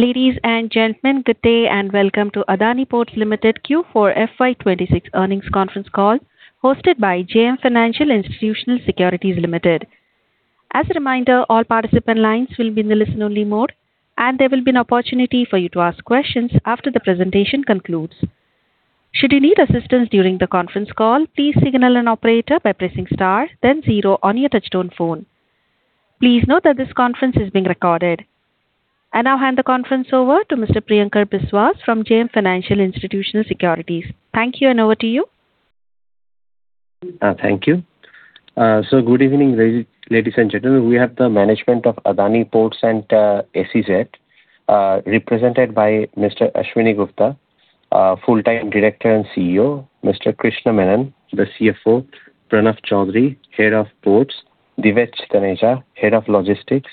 Ladies and gentlemen, good day and welcome to Adani Ports Limited Q4 FY 2026 earnings conference call hosted by JM Financial Institutional Securities Limited. As a reminder, all participant lines will be in the listen-only mode, and there will be an opportunity for you to ask questions after the presentation concludes. Should you need assistance during the conference call, please signal an operator by pressing star then zero on your touch-tone phone. Please note that this conference is being recorded. I now hand the conference over to Mr. Priyankar Biswas from JM Financial Institutional Securities. Thank you, and over to you. Thank you. Good evening, ladies and gentlemen. We have the management of Adani Ports and SEZ, represented by Mr. Ashwani Gupta, Full-Time Director and CEO, Mr. Krishna Menon, the CFO, Pranav Choudhary, Head of Ports, Divij Taneja, Head of Logistics,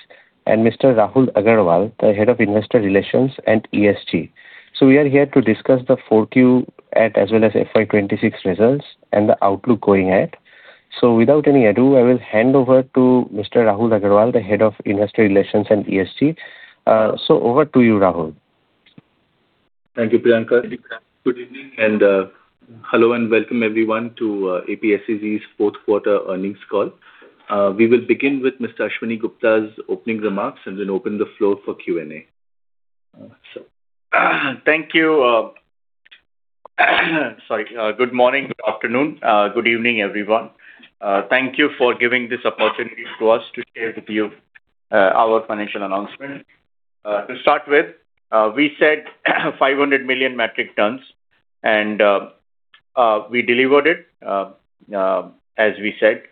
and Mr. Rahul Agarwal, the Head of Investor Relations and ESG. We are here to discuss the Q4 as well as FY 2026 results and the outlook going ahead. Without any ado, I will hand over to Mr. Rahul Agarwal, the Head of Investor Relations and ESG. Over to you, Rahul. Thank you, Priyankar. Good evening and hello and welcome everyone to APSEZ's fourth quarter earnings call. We will begin with Mr. Ashwani Gupta's opening remarks and then open the floor for Q&A. Thank you. Good morning, good afternoon, good evening, everyone. Thank you for giving this opportunity to us to share with you our financial announcement. To start with, we said 500 million metric tons and we delivered it as we said.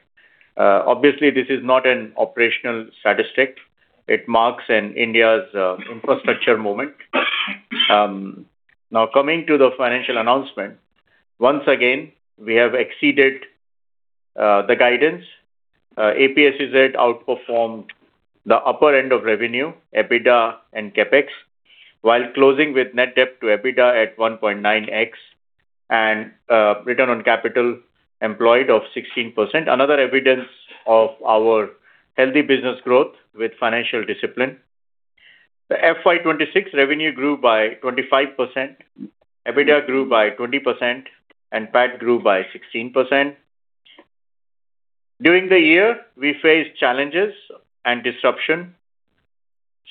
Obviously this is not an operational statistic. It marks an India's infrastructure moment. Now coming to the financial announcement. Once again, we have exceeded the guidance. APSEZ outperformed the upper end of revenue, EBITDA and CapEx, while closing with net debt to EBITDA at 1.9x and return on capital employed of 16%. Another evidence of our healthy business growth with financial discipline. The FY 2026 revenue grew by 25%, EBITDA grew by 20%, and PAT grew by 16%. During the year, we faced challenges and disruption,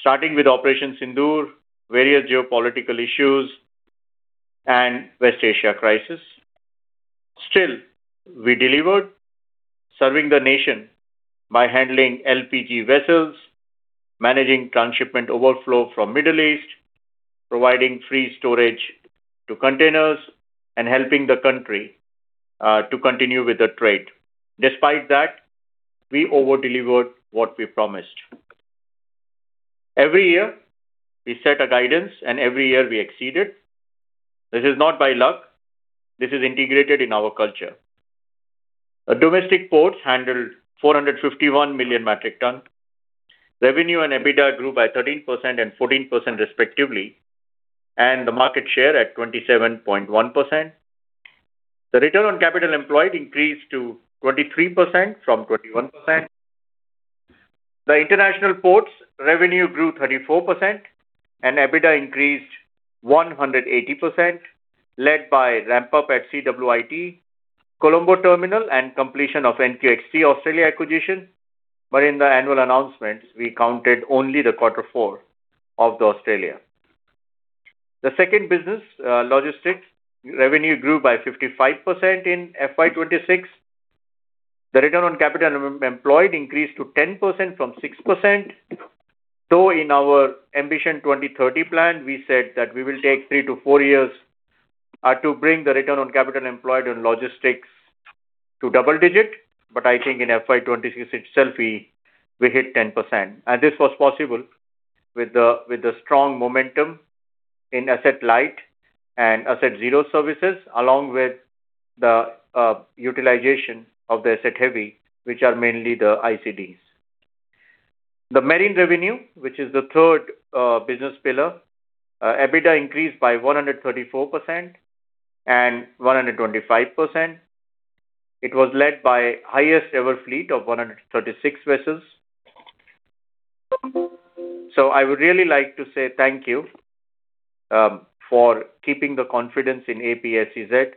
starting with Operation Sindoor, various geopolitical issues and West Asia crisis. We delivered, serving the nation by handling LPG vessels, managing transshipment overflow from Middle East, providing free storage to containers, and helping the country to continue with the trade. Despite that, we over-delivered what we promised. Every year we set a guidance. Every year we exceed it. This is not by luck. This is integrated in our culture. Our domestic ports handled 451 million metric tons. Revenue and EBITDA grew by 13% and 14% respectively. The market share at 27.1%. The return on capital employed increased to 23% from 21%. The international ports revenue grew 34% and EBITDA increased 180%, led by ramp up at CWIT, Colombo West International Terminal, and completion of NQXT Australia acquisition. In the annual announcements, we counted only the Q4 of the Australia. The second business, logistics, revenue grew by 55% in FY 2026. The return on capital employed increased to 10% from 6%. In our Ambition 2030 plan, we said that we will take three to four years to bring the return on capital employed on logistics to double digit. I think in FY 2026 itself, we hit 10%. This was possible with the strong momentum in asset light and asset zero services, along with the utilization of the asset heavy, which are mainly the ICDs. The marine revenue, which is the third business pillar, EBITDA increased by 134% and 125%. It was led by highest ever fleet of 136 vessels. I would really like to say thank you for keeping the confidence in APSEZ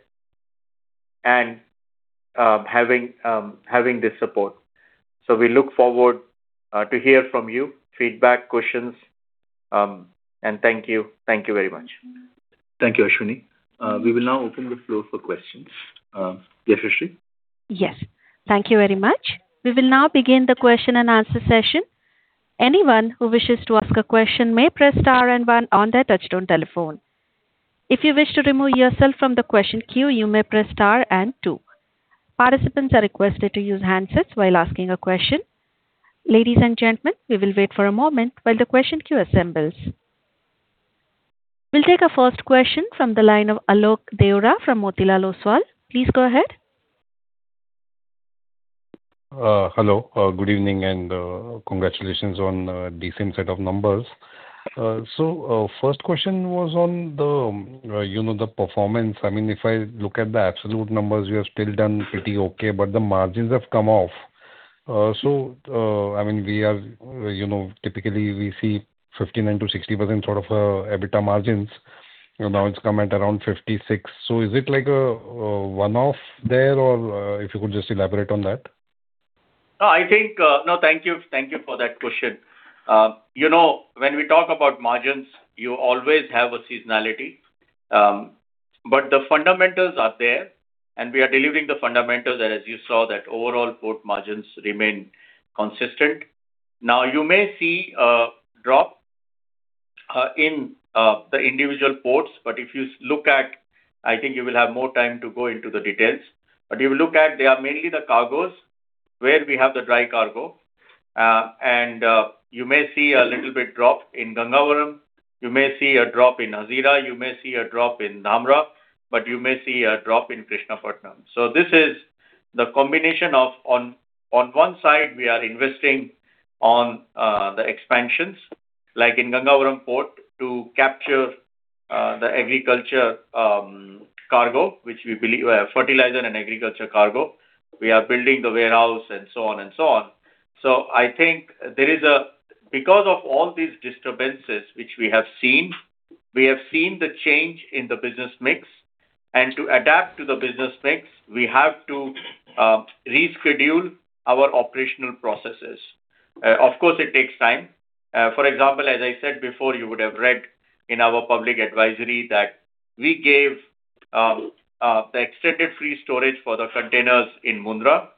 and having this support. We look forward to hear from you, feedback, questions, and thank you. Thank you very much. Thank you, Ashwani. We will now open the floor for questions. Yashaswi? Yes. Thank you very much. We will now begin the question and answer session. Anyone who wishes to ask a question may press star and one on their touchtone telephone. If you wish to remove yourself from the question queue, you may press star and two. Participants are requested to use handsets while asking a question. Ladies and gentlemen, we will wait for a moment while the question queue assembles. We'll take our first question from the line of Alok Deora from Motilal Oswal. Please go ahead. Hello. Good evening and congratulations on a decent set of numbers. First question was on the, you know, the performance. I mean, if I look at the absolute numbers, you have still done pretty okay, but the margins have come off. I mean, we are, you know, typically we see 59%-60% sort of, EBITDA margins. You know, now it's come at around 56. Is it like a one-off there? If you could just elaborate on that. Thank you, thank you for that question. You know, when we talk about margins, you always have a seasonality. The fundamentals are there, and we are delivering the fundamentals. As you saw, that overall port margins remain consistent. Now, you may see a drop in the individual ports, but if you look at, I think you will have more time to go into the details. If you look at, they are mainly the cargoes where we have the dry cargo. You may see a little bit drop in Gangavaram, you may see a drop in Hazira, you may see a drop in Dhamra, but you may see a drop in Krishnapatnam. This is the combination of on one side, we are investing on the expansions, like in Gangavaram Port, to capture the agriculture cargo, which we believe. Fertilizer and agriculture cargo. We are building the warehouse and so on. Because of all these disturbances which we have seen, we have seen the change in the business mix. To adapt to the business mix, we have to reschedule our operational processes. Of course, it takes time. For example, as I said before, you would have read in our public advisory that we gave the extended free storage for the containers in Mundra.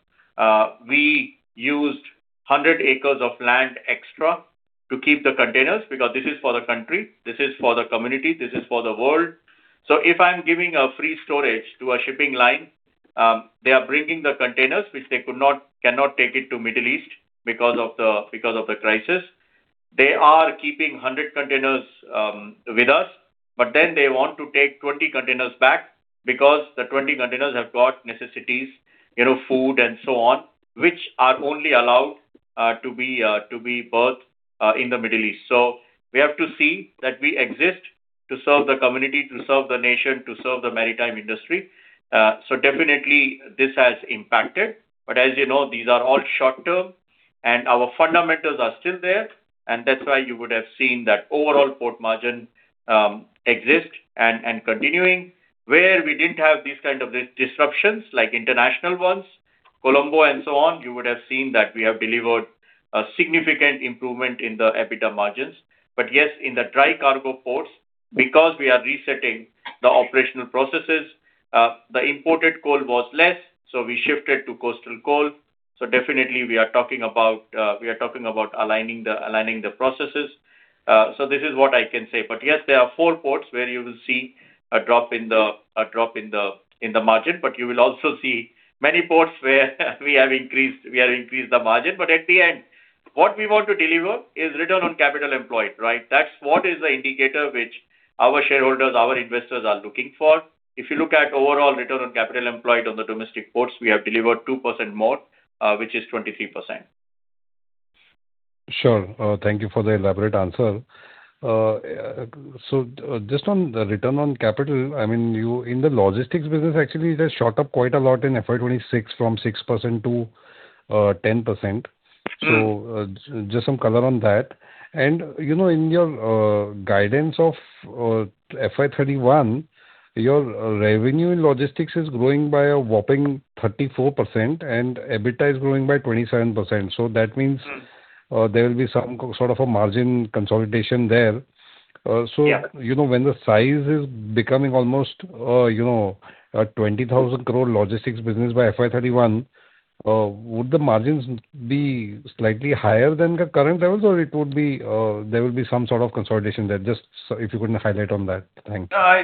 We used 100 acres of land extra to keep the containers, because this is for the country, this is for the community, this is for the world. If I'm giving a free storage to a shipping line, they are bringing the containers, which they could not, cannot take it to Middle East because of the, because of the crisis. They are keeping 100 containers with us, but then they want to take 20 containers back because the 20 containers have got necessities, you know, food and so on, which are only allowed to be berthed in the Middle East. Definitely this has impacted. As you know, these are all short-term, and our fundamentals are still there. That's why you would have seen that overall port margin exists and continuing. Where we didn't have these kind of disruptions, like international ones, Colombo and so on, you would have seen that we have delivered a significant improvement in the EBITDA margins. Yes, in the dry cargo ports, because we are resetting the operational processes, the imported coal was less, so we shifted to coastal coal. Definitely we are talking about aligning the processes. This is what I can say. Yes, there are four ports where you will see a drop in the margin, but you will also see many ports where we have increased the margin. At the end, what we want to deliver is return on capital employed, right? That's what is the indicator which our shareholders, our investors are looking for. If you look at overall return on capital employed on the domestic ports, we have delivered 2% more, which is 23%. Sure. Thank you for the elaborate answer. Just on the return on capital, I mean, in the logistics business, actually it has shot up quite a lot in FY 2026 from 6% to 10%. Mm. Just some color on that. You know, in your guidance of FY 2031, your revenue in logistics is growing by a whopping 34%, and EBITDA is growing by 27%. Mm. There will be some sort of a margin consolidation there. Yeah You know, when the size is becoming almost, you know, an 20,000 crore logistics business by FY 2031, would the margins be slightly higher than the current levels, or it would be, there will be some sort of consolidation there? Just if you could highlight on that. Thanks. No,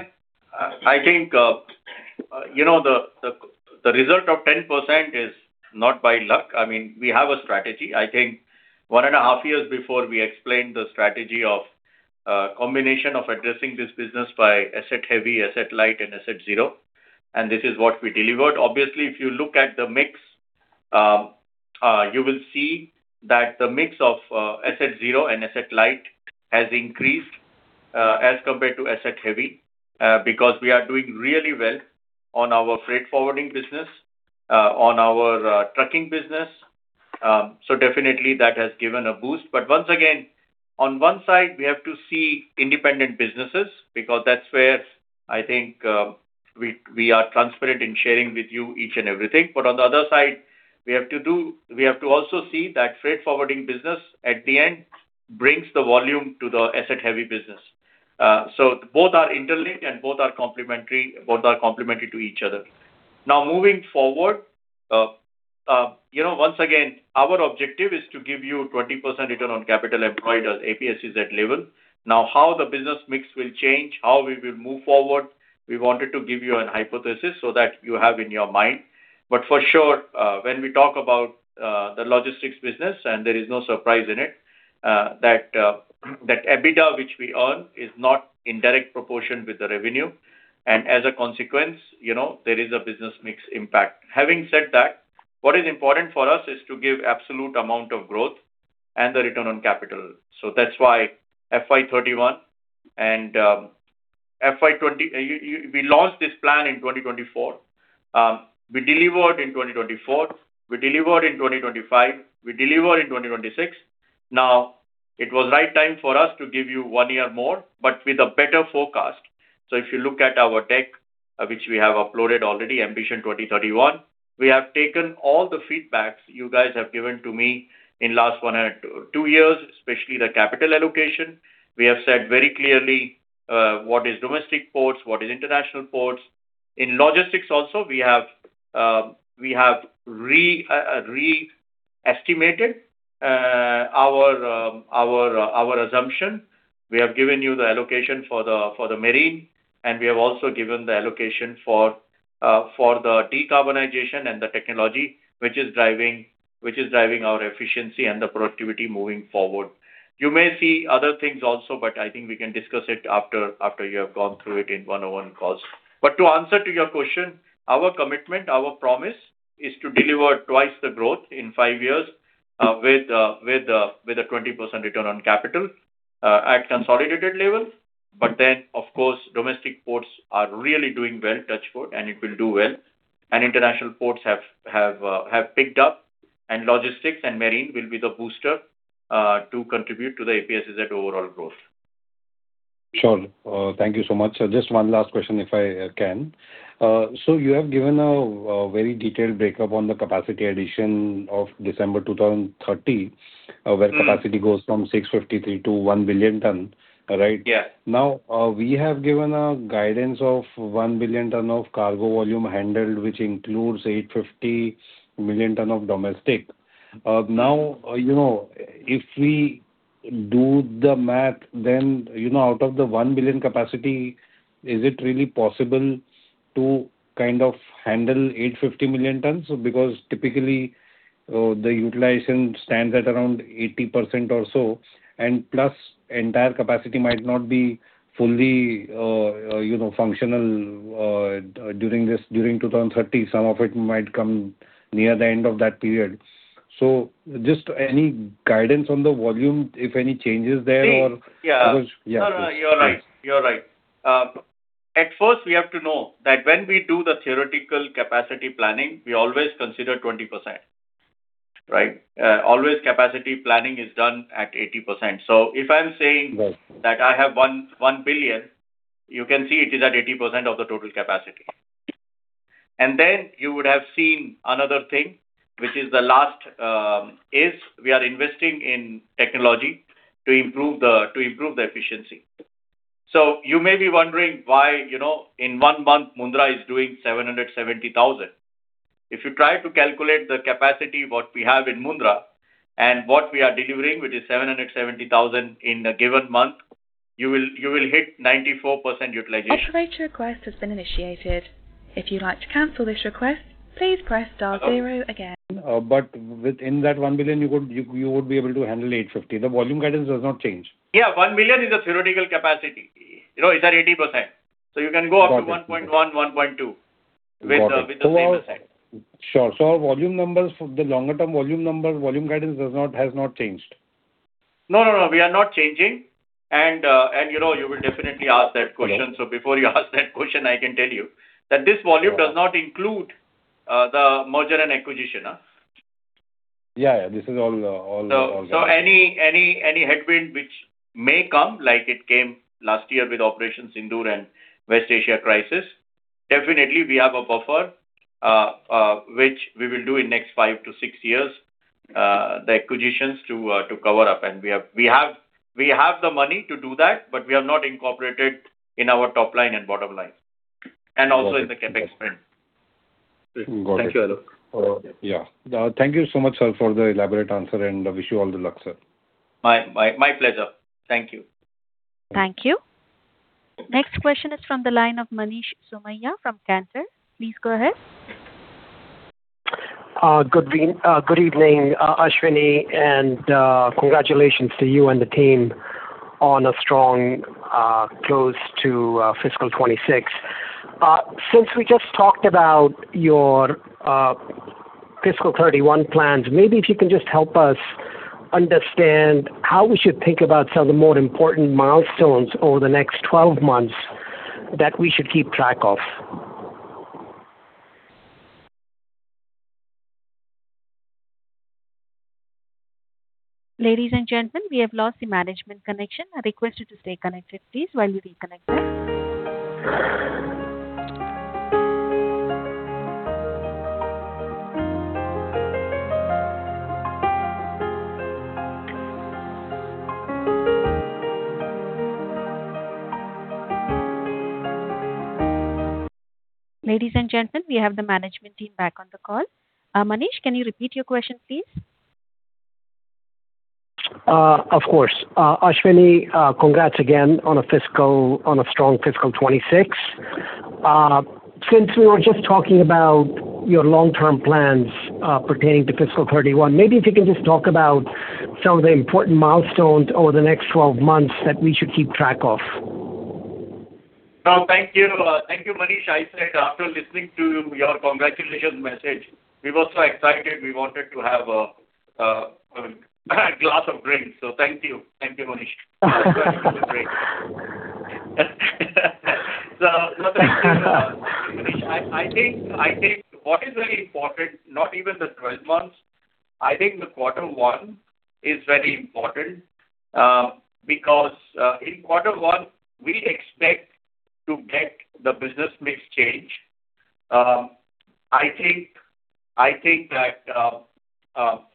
I think, you know, the result of 10% is not by luck. I mean, we have a strategy. I think 1.5 years before we explained the strategy of combination of addressing this business by asset heavy, asset light and asset zero, and this is what we delivered. Obviously, if you look at the mix, you will see that the mix of asset zero and asset light has increased as compared to asset heavy, because we are doing really well on our freight forwarding business, on our trucking business. Definitely that has given a boost. Once again, on one side, we have to see independent businesses, because that's where I think, we are transparent in sharing with you each and everything. On the other side, we have to also see that freight forwarding business at the end brings the volume to the asset heavy business. Both are interlinked and both are complementary to each other. Moving forward, once again, our objective is to give you 20% return on capital employed at APSEZ level. How the business mix will change, how we will move forward, we wanted to give you an hypothesis so that you have in your mind. For sure, when we talk about the logistics business, and there is no surprise in it, that EBITDA which we earn is not in direct proportion with the revenue. As a consequence, there is a business mix impact. Having said that, what is important for us is to give absolute amount of growth and the return on capital. That's why FY 2031 and we launched this plan in 2024. We delivered in 2024, we delivered in 2025, we deliver in 2026. Now, it was right time for us to give you one year more, but with a better forecast. If you look at our deck, which we have uploaded already, Ambition 2031, we have taken all the feedbacks you guys have given to me in last one and a two years, especially the capital allocation. We have said very clearly, what is domestic ports, what is international ports. In logistics also, we have re-estimated our assumption. We have given you the allocation for the marine, and we have also given the allocation for the decarbonization and the technology, which is driving our efficiency and the productivity moving forward. You may see other things also, I think we can discuss it after you have gone through it in one-on-one calls. To answer to your question, our commitment, our promise is to deliver twice the growth in five years with a 20% return on capital at consolidated level. Of course, domestic ports are really doing well, Dutch Port, and it will do well. International ports have picked up, and logistics and marine will be the booster to contribute to the APSEZ overall growth. Sure. Thank you so much, sir. Just one last question, if I can. You have given a very detailed breakup on the capacity addition of December 2030. Mm-hmm There capacity goes from 653 to 1 billion tons, right? Yeah. We have given a guidance of 1 billion tonne of cargo volume handled, which includes 850 million tonne of domestic. Now, you know, if we do the math then, you know, out of the 1 billion capacity, is it really possible to kind of handle 850 million tonnes? Because typically, the utilization stands at around 80% or so, and plus entire capacity might not be fully, you know, functional, during this, during 2030. Some of it might come near the end of that period. So just any guidance on the volume, if any changes there or? See, yeah. Yeah, please. No, no, you're right. You're right. At first, we have to know that when we do the theoretical capacity planning, we always consider 20%, right? Always capacity planning is done at 80%. Right That I have 1 billion, you can see it is at 80% of the total capacity. Then you would have seen another thing, which is the last, is we are investing in technology to improve the efficiency. You may be wondering why, you know, in one month Mundra is doing 770,000. If you try to calculate the capacity, what we have in Mundra and what we are delivering, which is 770,000 in a given month, you will hit 94% utilization. Operator request has been initiated. If you'd like to cancel this request, please press star zero again. Within that 1 billion, you would be able to handle 850. The volume guidance does not change. Yeah, 1 billion is a theoretical capacity. You know, it's at 80%. you can go up to- Got it. 1.1, 1.2- Got it. With the same percent. Sure. Our volume numbers, the longer term volume numbers, volume guidance has not changed. No, no, we are not changing. You know, you will definitely ask that question. Yeah. Before you ask that question, I can tell you that this volume. Got it. Does not include, the merger and acquisition. Yeah, yeah. This is all that. Any headwind which may come, like it came last year with Operation Samudra Setu and West Asia crisis, definitely we have a buffer which we will do in next five to six years, the acquisitions to cover up. We have the money to do that, but we have not incorporated in our top line and bottom line, and also in the CapEx spend. Got it. Thank you, Alok. Yeah. Thank you so much, sir, for the elaborate answer, and I wish you all the luck, sir. My pleasure. Thank you. Thank you. Next question is from the line of Manish Somaiya from Cantor. Please go ahead. Good evening, Ashwani, and congratulations to you and the team on a strong close to fiscal 26. Since we just talked about your fiscal 31 plans, maybe if you can just help us understand how we should think about some of the more important milestones over the next 12 months that we should keep track of. Ladies and gentlemen, we have lost the management connection. I request you to stay connected, please, while we reconnect them. Ladies and gentlemen, we have the management team back on the call. Manish, can you repeat your question, please? Of course. Ashwani, congrats again on a fiscal, on a strong fiscal 2026. Since we were just talking about your long-term plans, pertaining to fiscal 2031, maybe if you can just talk about some of the important milestones over the next 12 months that we should keep track of. No, thank you. Thank you, Manish. I said after listening to your congratulations message, we were so excited we wanted to have a glass of drink. Thank you. Thank you, Manish. I think, I think what is really important, not even the 12 months, I think the Q1 is very important, because in Q1 we expect to get the business mix change. I think, I think that,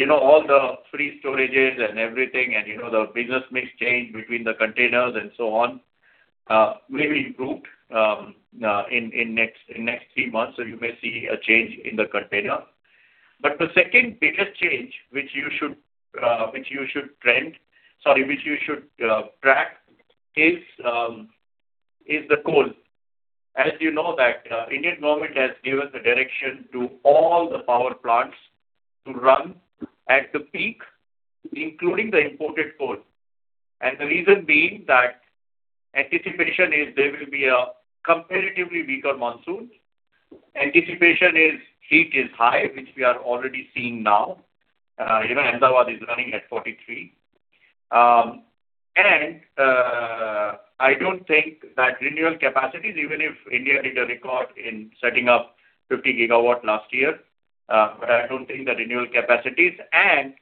you know, all the free storages and everything and, you know, the business mix change between the containers and so on, may be improved in next three months. You may see a change in the container. The second biggest change which you should track is the coal. As you know that, Indian government has given the direction to all the power plants to run at the peak, including the imported coal. The reason being that anticipation is there will be a comparatively weaker monsoon. Anticipation is heat is high, which we are already seeing now. You know, Ahmedabad is running at 43. I don't think that renewal capacities, even if India did a record in setting up 50 GW last year, I don't think the renewal capacities and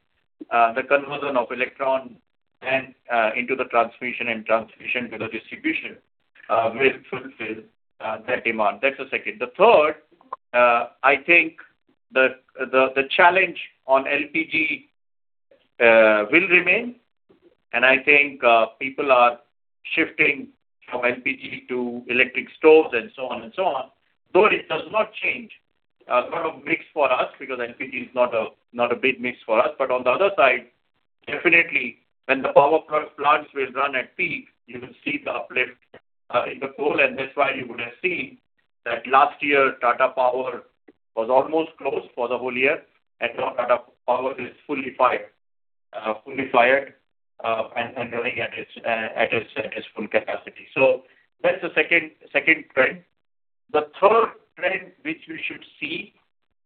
the conversion of electron and into the transmission and transmission to the distribution will fulfill that demand. That's the second. The third, I think the challenge on LPG will remain. I think people are shifting from LPG to electric stoves and so on and so on, though it does not change sort of mix for us because LPG is not a big mix for us. On the other side, definitely when the power plants will run at peak, you will see the uplift in the coal. That's why you would have seen that last year Tata Power was almost closed for the whole year. Now Tata Power is fully fired and running at its full capacity. So that's the second trend. The third trend which we should see,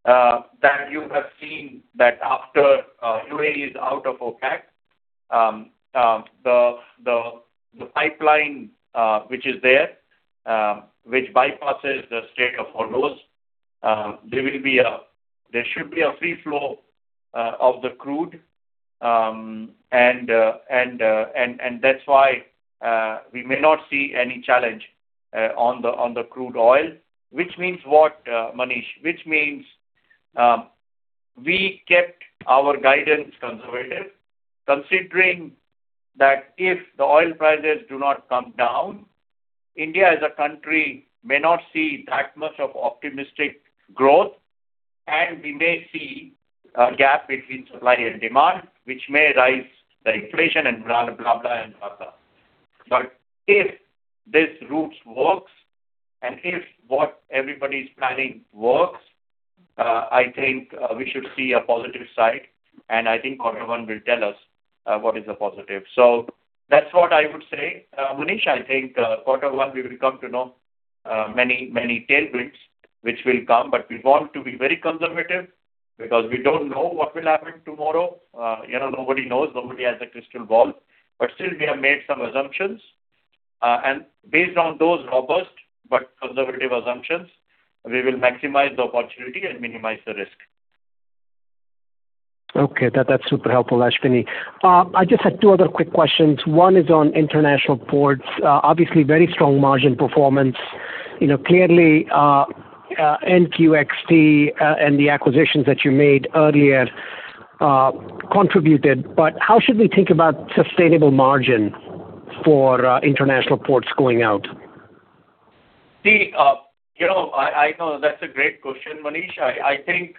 that you have seen that after UAE is out of OPEC, the pipeline which is there, which bypasses the Strait of Hormuz, there should be a free flow of the crude. That's why we may not see any challenge on the crude oil. Which means what, Manish? Which means, we kept our guidance conservative considering that if the oil prices do not come down, India as a country may not see that much of optimistic growth and we may see a gap between supply and demand which may rise the inflation and blah, blah and blah. If this route works and if what everybody's planning works, I think we should see a positive side and I think quarter one will tell us what is the positive. That's what I would say. Manish, I think quarter one we will come to know many tailwinds which will come. We want to be very conservative because we don't know what will happen tomorrow. You know, nobody knows, nobody has a crystal ball. Still we have made some assumptions. Based on those robust but conservative assumptions, we will maximize the opportunity and minimize the risk. Okay. That's super helpful, Ashwani. I just had two other quick questions. One is on international ports. Obviously very strong margin performance. You know, clearly, NQXT, and the acquisitions that you made earlier, contributed. How should we think about sustainable margin for international ports going out? See, you know, I know that's a great question, Manish. I think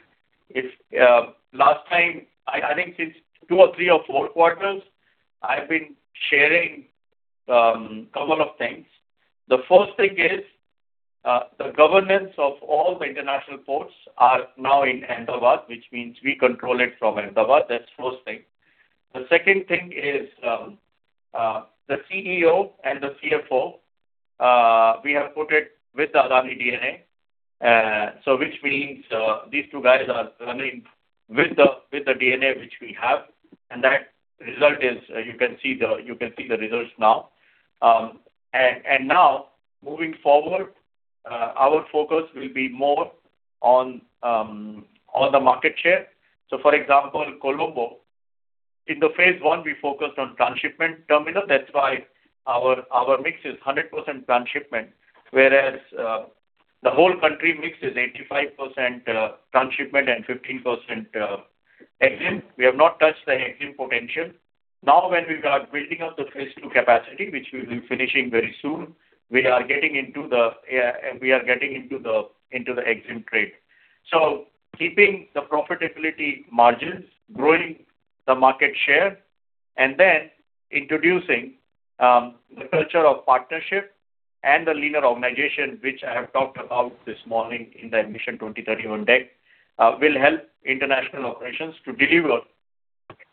if, since two or three or four quarters I've been sharing, couple of things. The first thing is, the governance of all the international ports are now in Ahmedabad, which means we control it from Ahmedabad. That's first thing. The second thing is, the CEO and the CFO, we have put it with the Adani DNA. Which means, these two guys are running with the DNA which we have. That result is, you can see the results now. Now moving forward, our focus will be more on the market share. For example, Colombo, in the phase I we focused on transshipment terminal. That's why our mix is 100% transshipment, whereas the whole country mix is 85% transshipment and 15% exim. We have not touched the exim potential. When we are building up the phase II capacity, which we'll be finishing very soon, we are getting into the exim trade. Keeping the profitability margins, growing the market share and then introducing the culture of partnership and the leaner organization which I have talked about this morning in the Ambition 2031 deck, will help international operations to deliver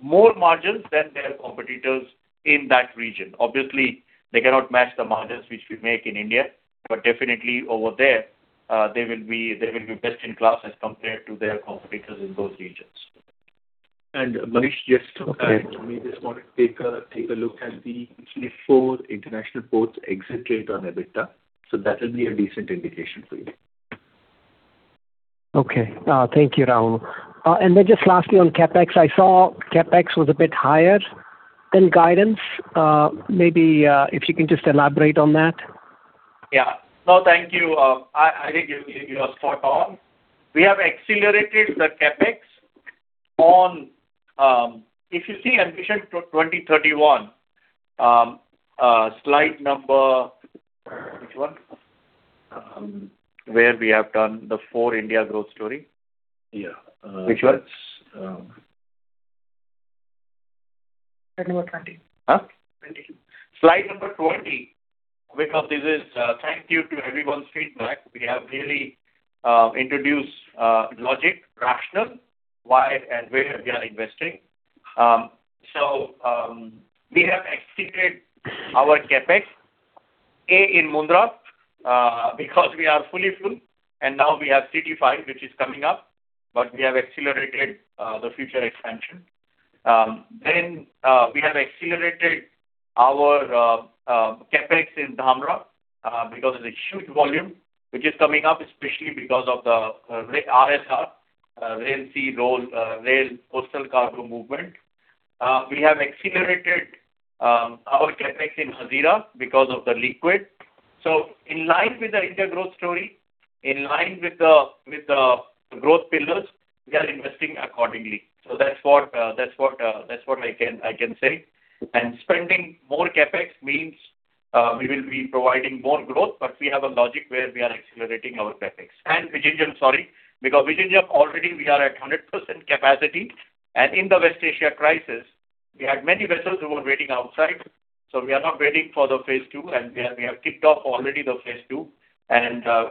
more margins than their competitors in that region. Obviously, they cannot match the margins which we make in India, definitely over there, they will be best in class as compared to their competitors in those regions. Manish, just. Okay. We just want to take a look at the Q4 international ports exit rate on EBITDA, that will be a decent indication for you. Okay. Thank you, Rahul. Just lastly on CapEx, I saw CapEx was a bit higher than guidance. Maybe, if you can just elaborate on that. Yeah. No, thank you. I think you are spot on. We have accelerated the CapEx on. If you see Ambition 2031, slide number Which one? Where we have done the four India growth story. Yeah. Which one? It's. 20. Huh? 20. Slide number 20. This is, thank you to everyone's feedback, we have really introduced logic, rational why and where we are investing. We have accelerated our CapEx, A, in Mundra, because we are fully full and now we have CT5 which is coming up, but we have accelerated the future expansion. We have accelerated our CapEx in Dhamra, because of the huge volume which is coming up, especially because of the RSR, rail, sea, road, rail, coastal cargo movement. We have accelerated our CapEx in Hazira because of the liquid. In line with the India growth story, in line with the, with the growth pillars, we are investing accordingly. That's what I can say. Spending more CapEx means, we will be providing more growth, but we have a logic where we are accelerating our CapEx. Vizhinjam, sorry, because Vizhinjam already we are at 100% capacity. In the West Asia crisis, we had many vessels who were waiting outside, so we are not waiting for the phase II, we have kicked off already the phase II.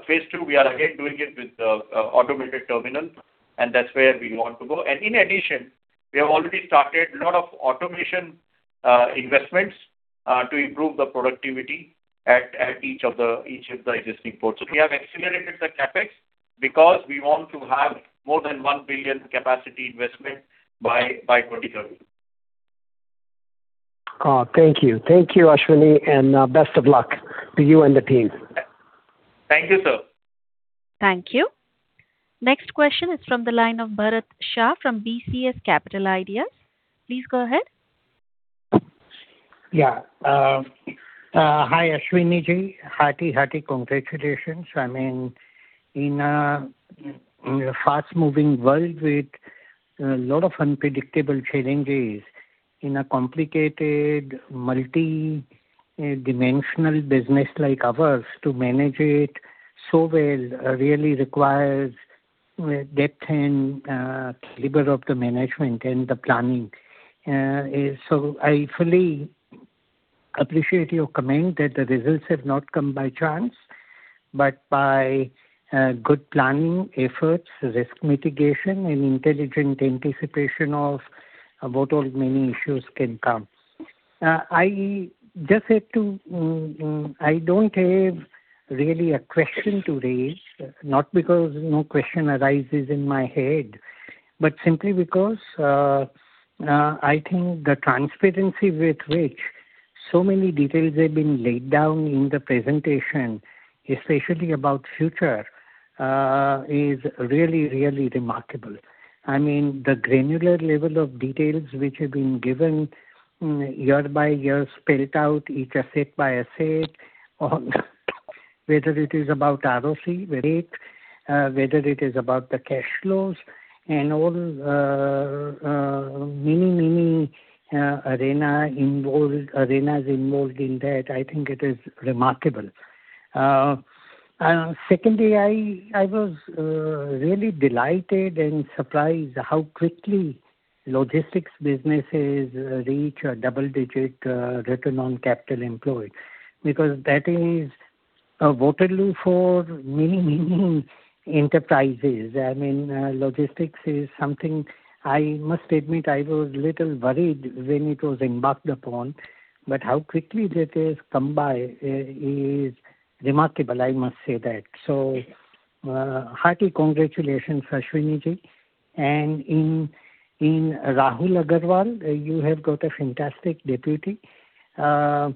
Phase II, we are again doing it with automated terminal, and that's where we want to go. In addition, we have already started a lot of automation investments to improve the productivity at each of the existing ports. We have accelerated the CapEx because we want to have more than 1 billion capacity investment by 2030. Thank you. Thank you, Ashwani, and best of luck to you and the team. Thank you, sir. Thank you. Next question is from the line of Bharat Shah from BCS Capital Ideas. Please go ahead. Yeah. Hi, Ashwani G. Hearty congratulations. I mean, in a fast-moving world with lot of unpredictable challenges in a complicated multidimensional business like ours, to manage it so well, really requires depth and caliber of the management and the planning. I fully appreciate your comment that the results have not come by chance, but by good planning, efforts, risk mitigation and intelligent anticipation of what all many issues can come. I don't have really a question to raise, not because no question arises in my head, but simply because I think the transparency with which so many details have been laid down in the presentation, especially about future, is really remarkable. I mean, the granular level of details which have been given year by year, spelt out each asset by asset on whether it is about ROC rate, whether it is about the cash flows and all, many arenas involved in that, I think it is remarkable. Secondly, I was really delighted and surprised how quickly logistics businesses reach a double-digit return on capital employed, because that is a Waterloo for many enterprises. I mean, logistics is something I must admit I was a little worried when it was embarked upon, but how quickly it has come by is remarkable, I must say that. Hearty congratulations, Ashwani G. And in Rahul Agarwal, you have got a fantastic deputy. The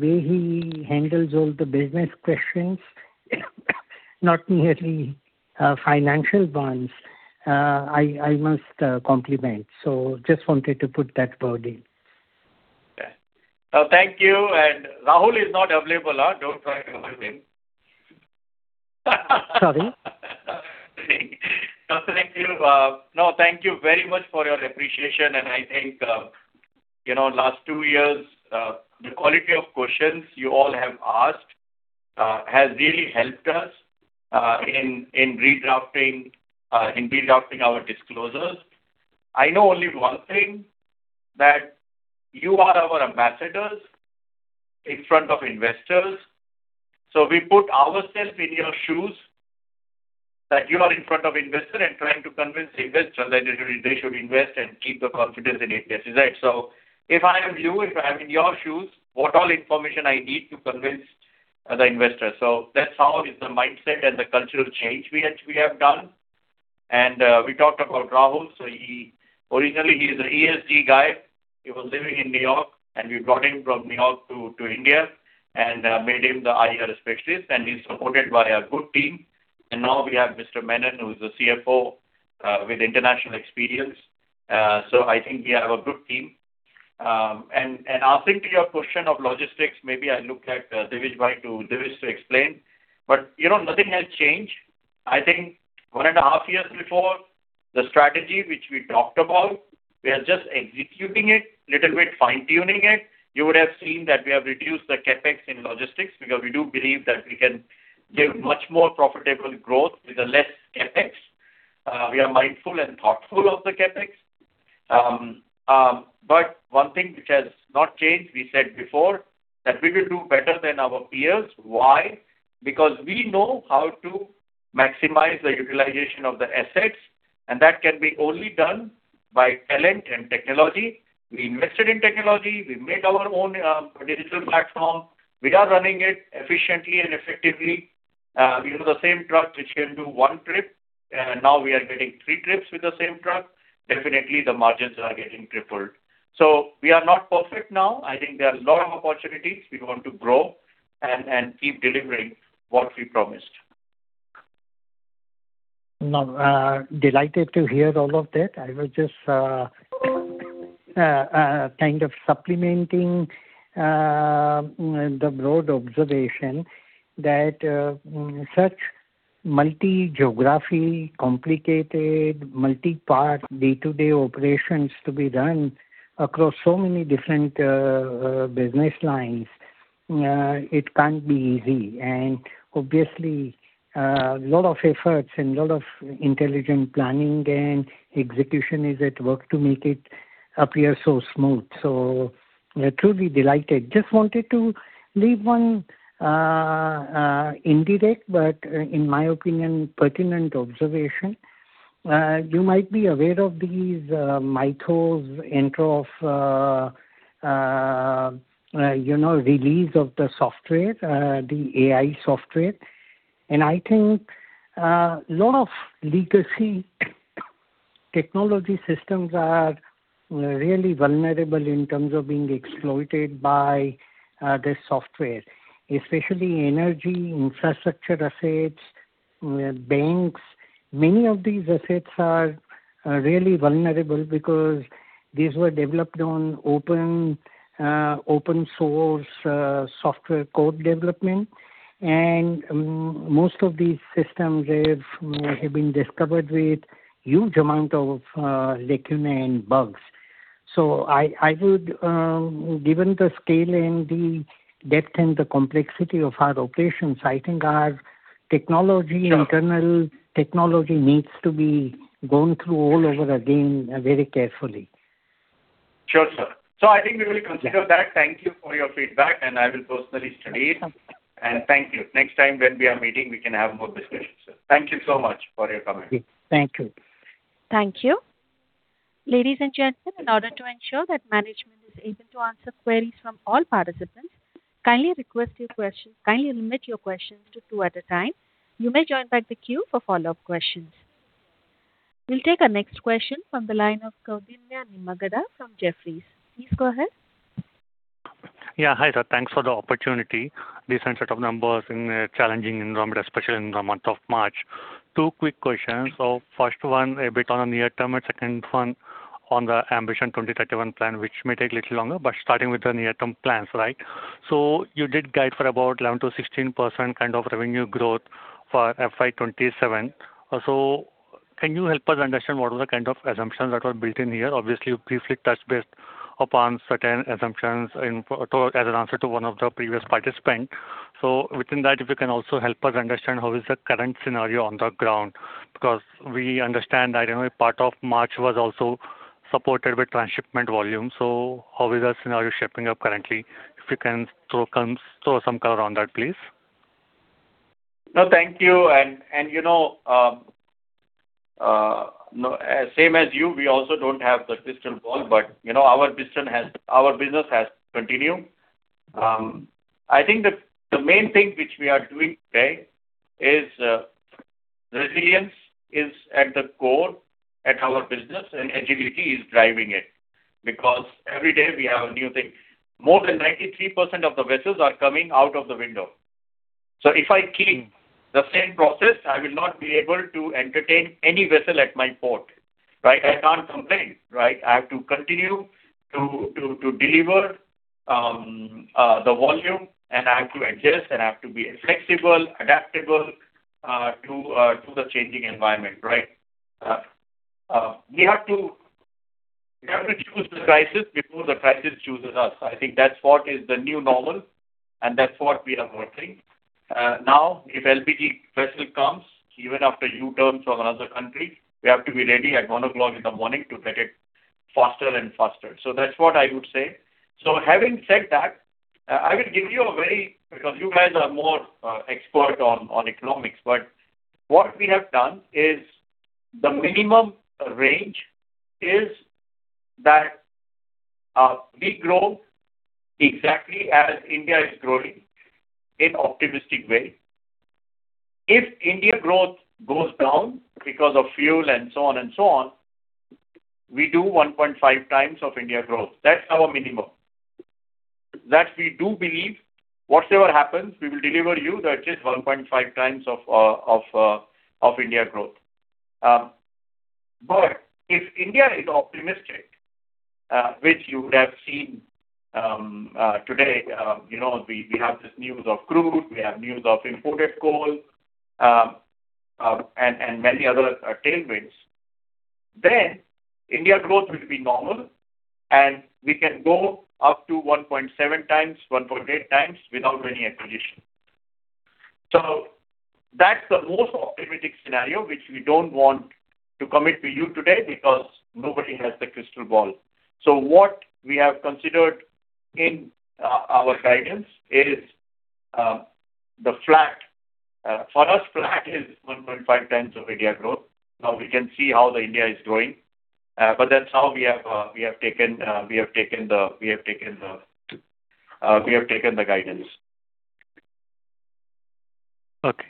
way he handles all the business questions, not merely financial ones, I must compliment. Just wanted to put that word in. Yeah. Thank you. Rahul is not available. Don't try to avoid him. Sorry? No, thank you. No, thank you very much for your appreciation. I think, you know, last two years, the quality of questions you all have asked, has really helped us in redrafting our disclosures. I know only one thing, that you are our ambassadors in front of investors, so we put ourselves in your shoes. That you are in front of investor and trying to convince the investor that they should invest and keep the confidence in APSEZ. Is that so? If I am you, if I am in your shoes, what all information I need to convince the investor? That's how is the mindset and the cultural change we have done. We talked about Rahul. He Originally, he's a ESG guy. He was living in New York, we brought him from New York to India and made him the IR specialist, and he's supported by a good team. Now we have Mr. Krishna Menon, who's the CFO, with international experience. I think we have a good team. I think to your question of logistics, maybe I look at Divij to explain. You know, nothing has changed. I think one and a half years before, the strategy which we talked about, we are just executing it, little bit fine-tuning it. You would have seen that we have reduced the CapEx in logistics because we do believe that we can give much more profitable growth with a less CapEx. We are mindful and thoughtful of the CapEx. One thing which has not changed, we said before, that we will do better than our peers. Why? Because we know how to maximize the utilization of the assets, and that can be only done by talent and technology. We invested in technology. We made our own digital platform. We are running it efficiently and effectively. You know, the same truck which can do one trip, now we are getting three trips with the same truck. Definitely, the margins are getting tripled. We are not perfect now. I think there are a lot of opportunities. We want to grow and keep delivering what we promised. No, delighted to hear all of that. I was just kind of supplementing the broad observation that such multi-geography, complicated, multi-part day-to-day operations to be run across so many different business lines, it can't be easy. Obviously, lot of efforts and lot of intelligent planning and execution is at work to make it appear so smooth. Truly delighted. Just wanted to leave one indirect, but in my opinion, pertinent observation. You might be aware of these MITRE's intro of, you know, release of the software, the AI software. I think, lot of legacy technology systems are really vulnerable in terms of being exploited by this software, especially energy infrastructure assets, banks. Many of these assets are really vulnerable because these were developed on open open source software code development. Most of these systems have been discovered with huge amount of lacunae and bugs. I would, given the scale and the depth and the complexity of our operations, I think our technology Sure. Internal technology needs to be gone through all over again, very carefully. Sure, sir. I think we will consider that. Yeah. Thank you for your feedback, and I will personally study it. Okay. Thank you. Next time when we are meeting, we can have more discussion, sir. Thank you so much for your comment. Thank you. Thank you. Ladies and gentlemen, in order to ensure that management is able to answer queries from all participants, kindly limit your questions to two at a time. You may join back the queue for follow-up questions. We'll take our next question from the line of Koundinya Nimmagadda from Jefferies. Please go ahead. Yeah. Hi, sir. Thanks for the opportunity. Decent set of numbers in a challenging environment, especially in the month of March. Two quick questions. First one, a bit on the near term, and second one on the Ambition 2031 plan, which may take a little longer. Starting with the near-term plans, right? You did guide for about 11%-16% kind of revenue growth for FY 2027. Can you help us understand what were the kind of assumptions that were built in here? Obviously, you briefly touched based upon certain assumptions as an answer to one of the previous participant. Within that, if you can also help us understand how is the current scenario on the ground. We understand that, you know, a part of March was also supported with transshipment volume. How is the scenario shaping up currently? If you can throw some color on that, please. No, thank you. You know, no, same as you, we also don't have the crystal ball. You know, our business has to continue. I think the main thing which we are doing today is resilience is at the core at our business, agility is driving it. Every day we have a new thing. More than 93% of the vessels are coming out of the window. If I keep the same process, I will not be able to entertain any vessel at my port, right? I can't complain, right? I have to continue to deliver the volume, I have to adjust, I have to be flexible, adaptable, to the changing environment, right? We have to choose the crisis before the crisis chooses us. I think that's what is the new normal, and that's what we are working. Now, if LPG vessel comes, even after U-turn from another country, we have to be ready at 1 o'clock in the morning to get it faster and faster. That's what I would say. Having said that, because you guys are more expert on economics. What we have done is the minimum range is that, we grow exactly as India is growing in optimistic way. If India growth goes down because of fuel and so on and so on, we do 1.5x of India growth. That's our minimum. We do believe whatsoever happens, we will deliver you that is 1.5x of India growth. If India is optimistic, which you would have seen today, you know, we have this news of crude, we have news of imported coal, and many other tailwinds. India growth will be normal, and we can go up to 1.7x, 1.8x without any acquisition. That's the most optimistic scenario which we don't want to commit to you today because nobody has the crystal ball. What we have considered in our guidance is the flat. For us flat is 1.5x of India growth. We can see how the India is growing. That's how we have taken the guidance. Okay.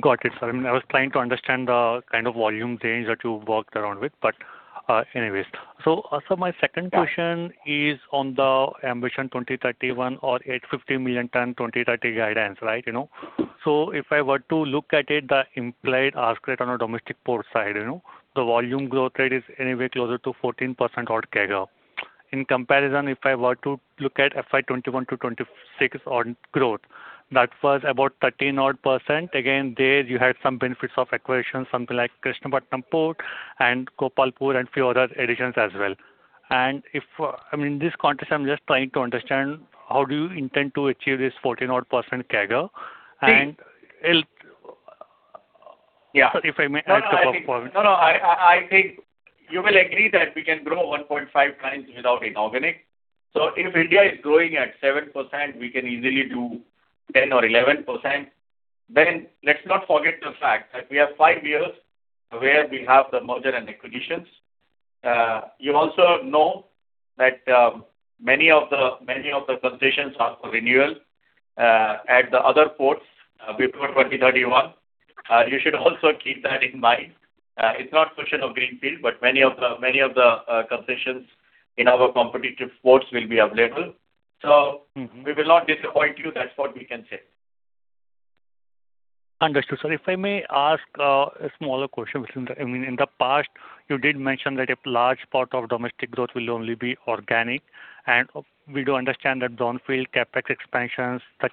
Got it, sir. I was trying to understand the kind of volume change that you worked around with. Anyways. Also my second question. Yeah. Is on the ambition 2031 or 850 million ton 2030 guidance, right? You know. If I were to look at it, the implied ask rate on a domestic port side, you know, the volume growth rate is anywhere closer to 14% odd CAGR. In comparison, if I were to look at FY 2021 to 2026 on growth, that was about 13% odd. Again, there you had some benefits of acquisition, something like Krishnapatnam Port and Gopalpur and few other additions as well. If, I mean, this context I'm just trying to understand how do you intend to achieve this 14% odd CAGR and- See- If, uh- Yeah. If I may add a couple of points. No, I think you will agree that we can grow 1.5x without inorganic. If India is growing at 7%, we can easily do 10% or 11%. Let's not forget the fact that we have five years where we have the merger and acquisitions. You also know that many of the concessions are for renewal at the other ports before 2031. You should also keep that in mind. It's not question of greenfield, but many of the concessions in our competitive ports will be available. We will not disappoint you. That's what we can say. Understood, sir. If I may ask, a smaller question. I mean, in the past, you did mention that a large part of domestic growth will only be organic, and we do understand that brownfield CapEx expansions, the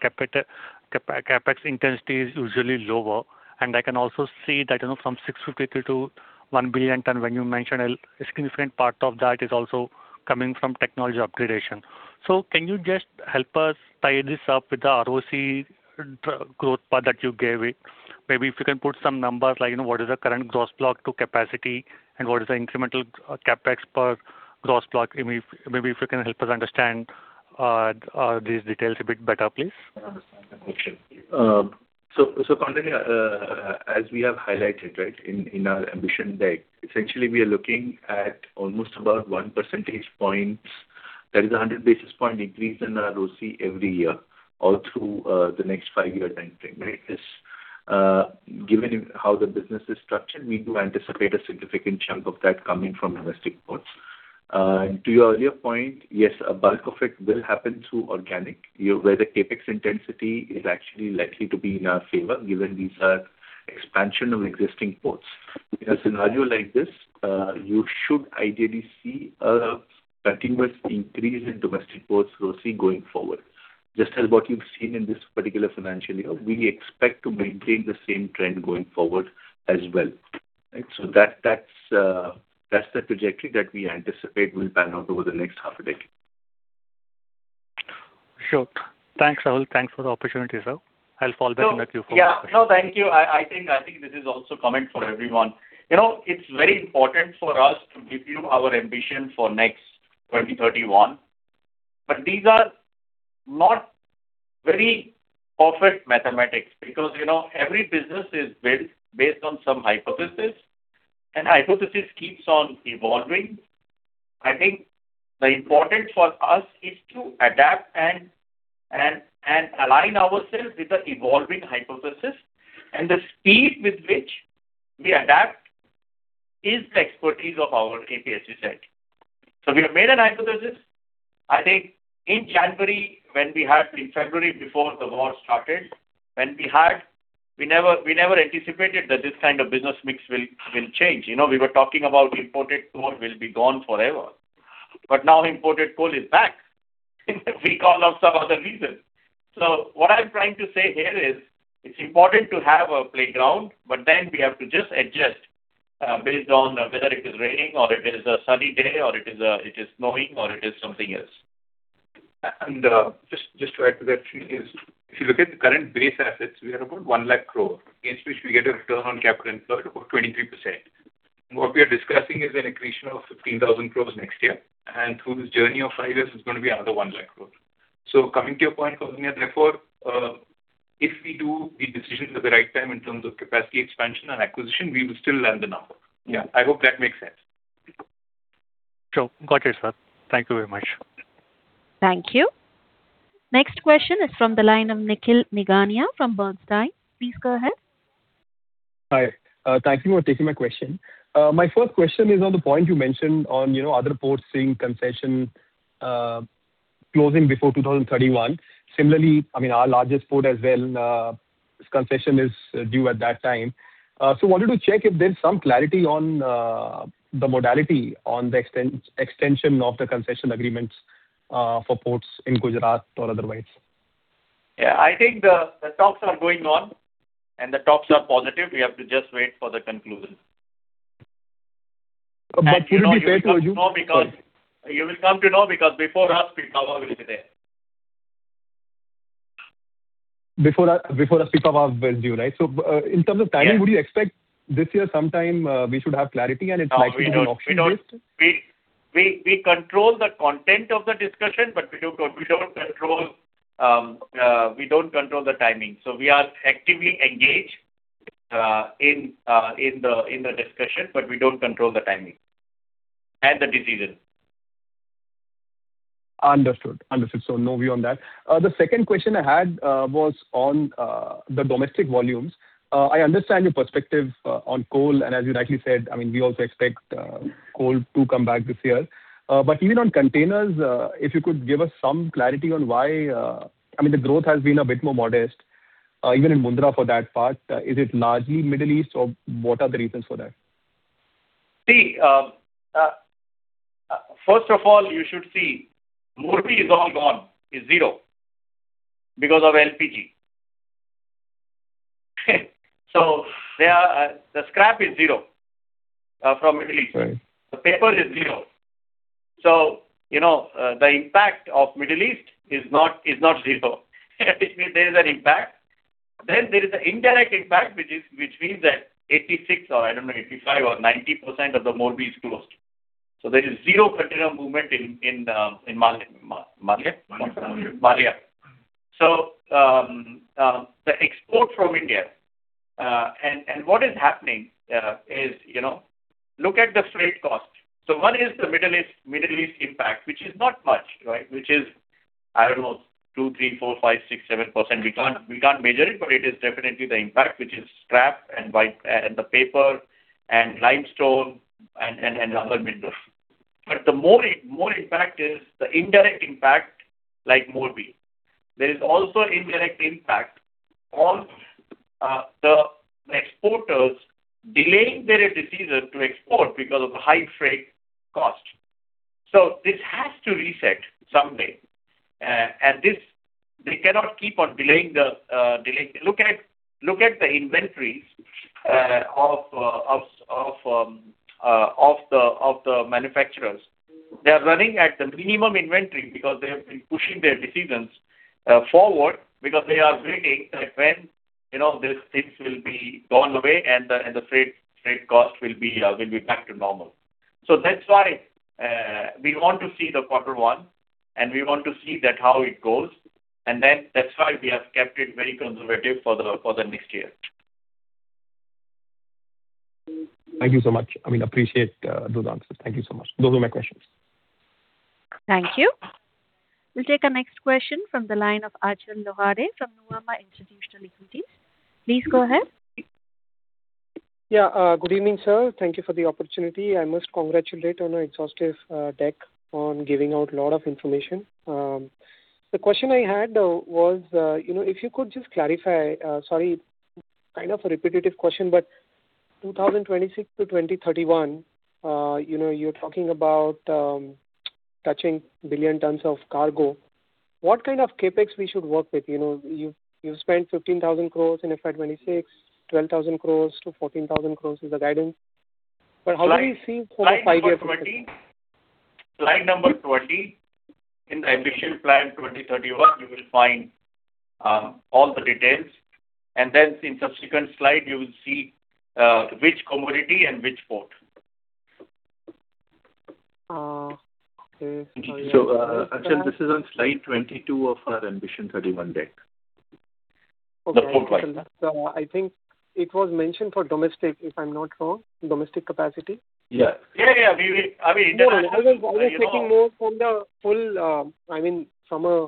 CapEx intensity is usually lower. I can also see that, you know, from 653 to 1 billion ton, when you mentioned a significant part of that is also coming from technology upgradation. Can you just help us tie this up with the ROC growth path that you gave it? Maybe if you can put some numbers like, you know, what is the current gross block to capacity and what is the incremental CapEx per gross block. I mean, maybe if you can help us understand these details a bit better, please. I understand the question. Currently, as we have highlighted, right, in our ambition deck, essentially we are looking at almost about 1% points. That is a 100 basis point increase in our ROC every year all through the next five-year time frame, right? Given how the business is structured, we do anticipate a significant chunk of that coming from domestic ports. To your earlier point, yes, a bulk of it will happen through organic, you know, where the CapEx intensity is actually likely to be in our favor, given these are expansion of existing ports. In a scenario like this, you should ideally see a continuous increase in domestic ports ROC going forward. Just as what you've seen in this particular financial year, we expect to maintain the same trend going forward as well. Right? That's the trajectory that we anticipate will pan out over the next half a decade. Sure. Thanks, Rahul. Thanks for the opportunity, sir. I'll follow back with you for more questions. Yeah. No, thank you. I think this is also comment for everyone. You know, it's very important for us to give you our ambition for next 2031. These are not very perfect mathematics because, you know, every business is built based on some hypothesis, and hypothesis keeps on evolving. I think the important for us is to adapt and align ourselves with the evolving hypothesis. The speed with which we adapt is the expertise of our APSEZ. We have made a hypothesis. I think in February, before the war started, when we had, we never anticipated that this kind of business mix will change. You know, we were talking about imported coal will be gone forever. Now imported coal is back because of some other reason. What I'm trying to say here is it's important to have a playground, but then we have to just adjust, based on whether it is raining or it is a sunny day or it is, it is snowing or it is something else. Just to add to that tree is if you look at the current base assets, we are about 1 lakh crore, against which we get a return on capital employed of about 23%. What we are discussing is an accretion of 15,000 crores next year. Through this journey of five years, it's gonna be another 1 lakh crore. Coming to your point, Koundinya Nimmagadda, therefore, if we do the decisions at the right time in terms of capacity expansion and acquisition, we will still land the number. Yeah, I hope that makes sense. Sure. Got you, sir. Thank you very much. Thank you. Next question is from the line of Nikhil Nigania from Bernstein. Please go ahead. Hi. Thank you for taking my question. My first question is on the point you mentioned on, you know, other ports seeing concession, closing before 2031. Similarly, I mean, our largest port as well, its concession is due at that time. Wanted to check if there's some clarity on the modality on the extension of the concession agreements for ports in Gujarat or otherwise. Yeah, I think the talks are going on, and the talks are positive. We have to just wait for the conclusion. Will it be fair for you. You will come to know because before us Pipava will be there. Before us Pipava was due, right? Yeah. Would you expect this year sometime, we should have clarity and it might be on auction list? No, we don't. We control the content of the discussion, but we don't control the timing. We are actively engaged in the discussion, but we don't control the timing and the decision. Understood. Understood. No view on that. The second question I had was on the domestic volumes. I understand your perspective on coal, and as you rightly said, I mean, we also expect coal to come back this year. Even on containers, if you could give us some clarity on why, I mean, the growth has been a bit more modest, even in Mundra for that part. Is it largely Middle East, or what are the reasons for that? See, first of all, you should see Morbi is all gone. It is zero because of LPG. There, the scrap is zero, from Middle East. Right. The paper is zero. You know, the impact of Middle East is not zero. Which means there is an impact. There is an indirect impact, which means that 86 or, I don't know, 85 or 90% of the Morbi is closed. There is zero container movement in Mallya. Maliya. Maliya. The export from India, and what is happening, is, you know, look at the freight cost. One is the Middle East impact, which is not much, right? Which is, I don't know, 2%, 3%, 4%, 5%, 6%, 7%. We can't measure it, but it is definitely the impact, which is scrap and white and the paper and limestone and other minerals. The more impact is the indirect impact, like Morbi. There is also indirect impact on the exporters delaying their decision to export because of the high freight cost. This has to reset someday. Look at the inventories of the manufacturers. They are running at the minimum inventory because they have been pushing their decisions forward because they are waiting that when, you know, these things will be gone away and the freight cost will be back to normal. That's why we want to see the quarter one, and we want to see that how it goes. That's why we have kept it very conservative for the next year. Thank you so much. I mean, appreciate those answers. Thank you so much. Those were my questions. Thank you. We'll take our next question from the line of Achal Lohade from Nuvama Institutional Equities. Please go ahead. Yeah. Good evening, sir. Thank you for the opportunity. I must congratulate on an exhaustive deck on giving out lot of information. The question I had was, you know, if you could just clarify, sorry, kind of a repetitive question, but 2026 to 2031, you know, you're talking about touching billion tons of cargo. What kind of CapEx we should work with? You know, you've spent 15,000 crores in FY 2026, 12,000 crores-14,000 crores is the guidance. How do you see sort of five year perspective? Slide number 20. In the Ambition Plan 2031, you will find all the details. Then in subsequent slide, you will see which commodity and which port. Okay. Sorry. Achal, this is on slide 22 of our Ambition 31 deck. Okay. The port wise. I think it was mentioned for domestic, if I'm not wrong, domestic capacity. Yeah. Yeah, yeah. We I mean, international, you know. No, I was, I was looking more from the full, I mean, from a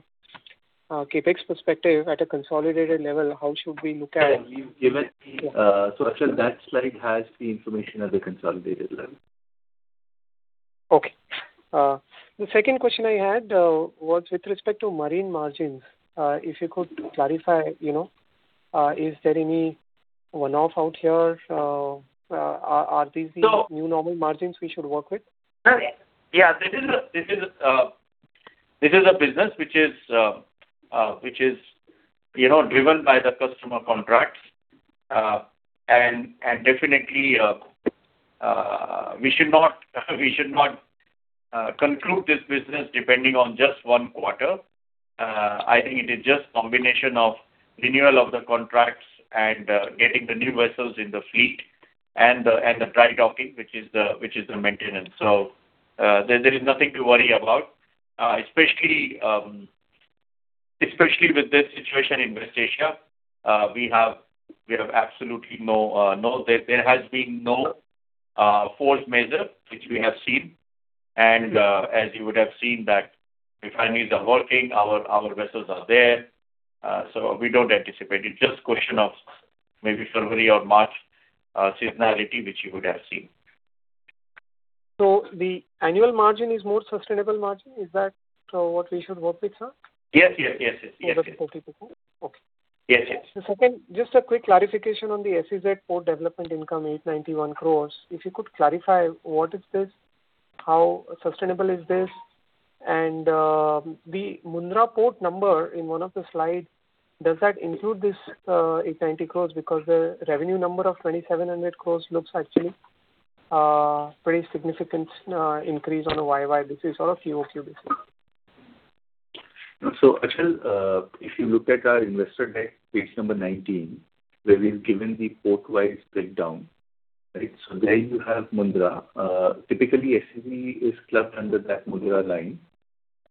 CapEx perspective at a consolidated level, how should we look at- Yeah. Achal, that slide has the information at the consolidated level. Okay. The second question I had was with respect to marine margins. If you could clarify, you know, is there any one-off out here? Are these. No- New normal margins we should work with? No. Yeah, this is a business which is, which is, you know, driven by the customer contracts. Definitely, we should not conclude this business depending on just one quarter. I think it is just combination of renewal of the contracts and getting the new vessels in the fleet and the dry docking, which is the maintenance. There is nothing to worry about. Especially, especially with this situation in West Asia, we have absolutely no. There has been no force majeure which we have seen. As you would have seen that refineries are working, our vessels are there. We don't anticipate it. Just question of maybe February or March, seasonality, which you would have seen. The annual margin is more sustainable margin? Is that what we should work with, sir? Yes, yes, yes. Over the 40%? Okay. Yes, yes. The second, just a quick clarification on the SEZ port development income, 891 crores. If you could clarify what is this, how sustainable is this? The Mundra Port number in one of the slides, does that include this 890 crores? Because the revenue number of 2,700 crores looks actually pretty significant increase on a year-over-year basis or a quarter-over-quarter basis. Achal, if you look at our investor deck page number 19, where we've given the port-wise breakdown. Right. There you have Mundra. Typically, SEZ is clubbed under that Mundra line.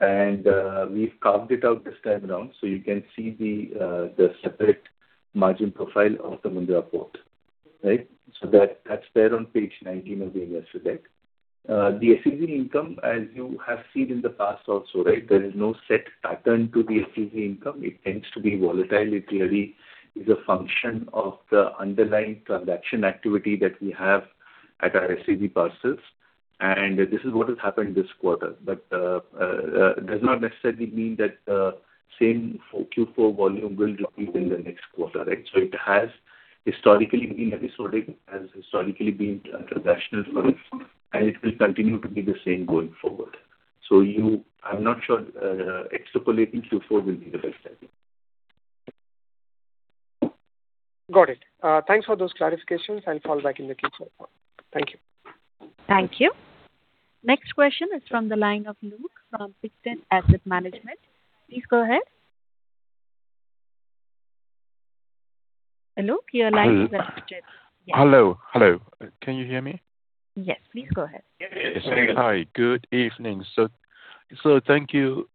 We've carved it out this time around, so you can see the separate margin profile of the Mundra port. Right. That's there on page 19 of the investor deck. The SEZ income, as you have seen in the past also, right, there is no set pattern to the SEZ income. It tends to be volatile. It really is a function of the underlying transaction activity that we have at our SEZ parcels. This is what has happened this quarter. Does not necessarily mean that the same Q4 volume will repeat in the next quarter, right? It has historically been episodic, has historically been a transactional product, and it will continue to be the same going forward. I'm not sure, extrapolating Q4 will be the best step. Got it. Thanks for those clarifications. I'll fall back in the queue so far. Thank you. Thank you. Next question is from the line of Luke from Picton Mahoney Asset Management. Please go ahead. Luke, your line is unmuted. Yeah. Hello. Hello. Can you hear me? Yes. Please go ahead. Yes. Hi. Good evening. Thank you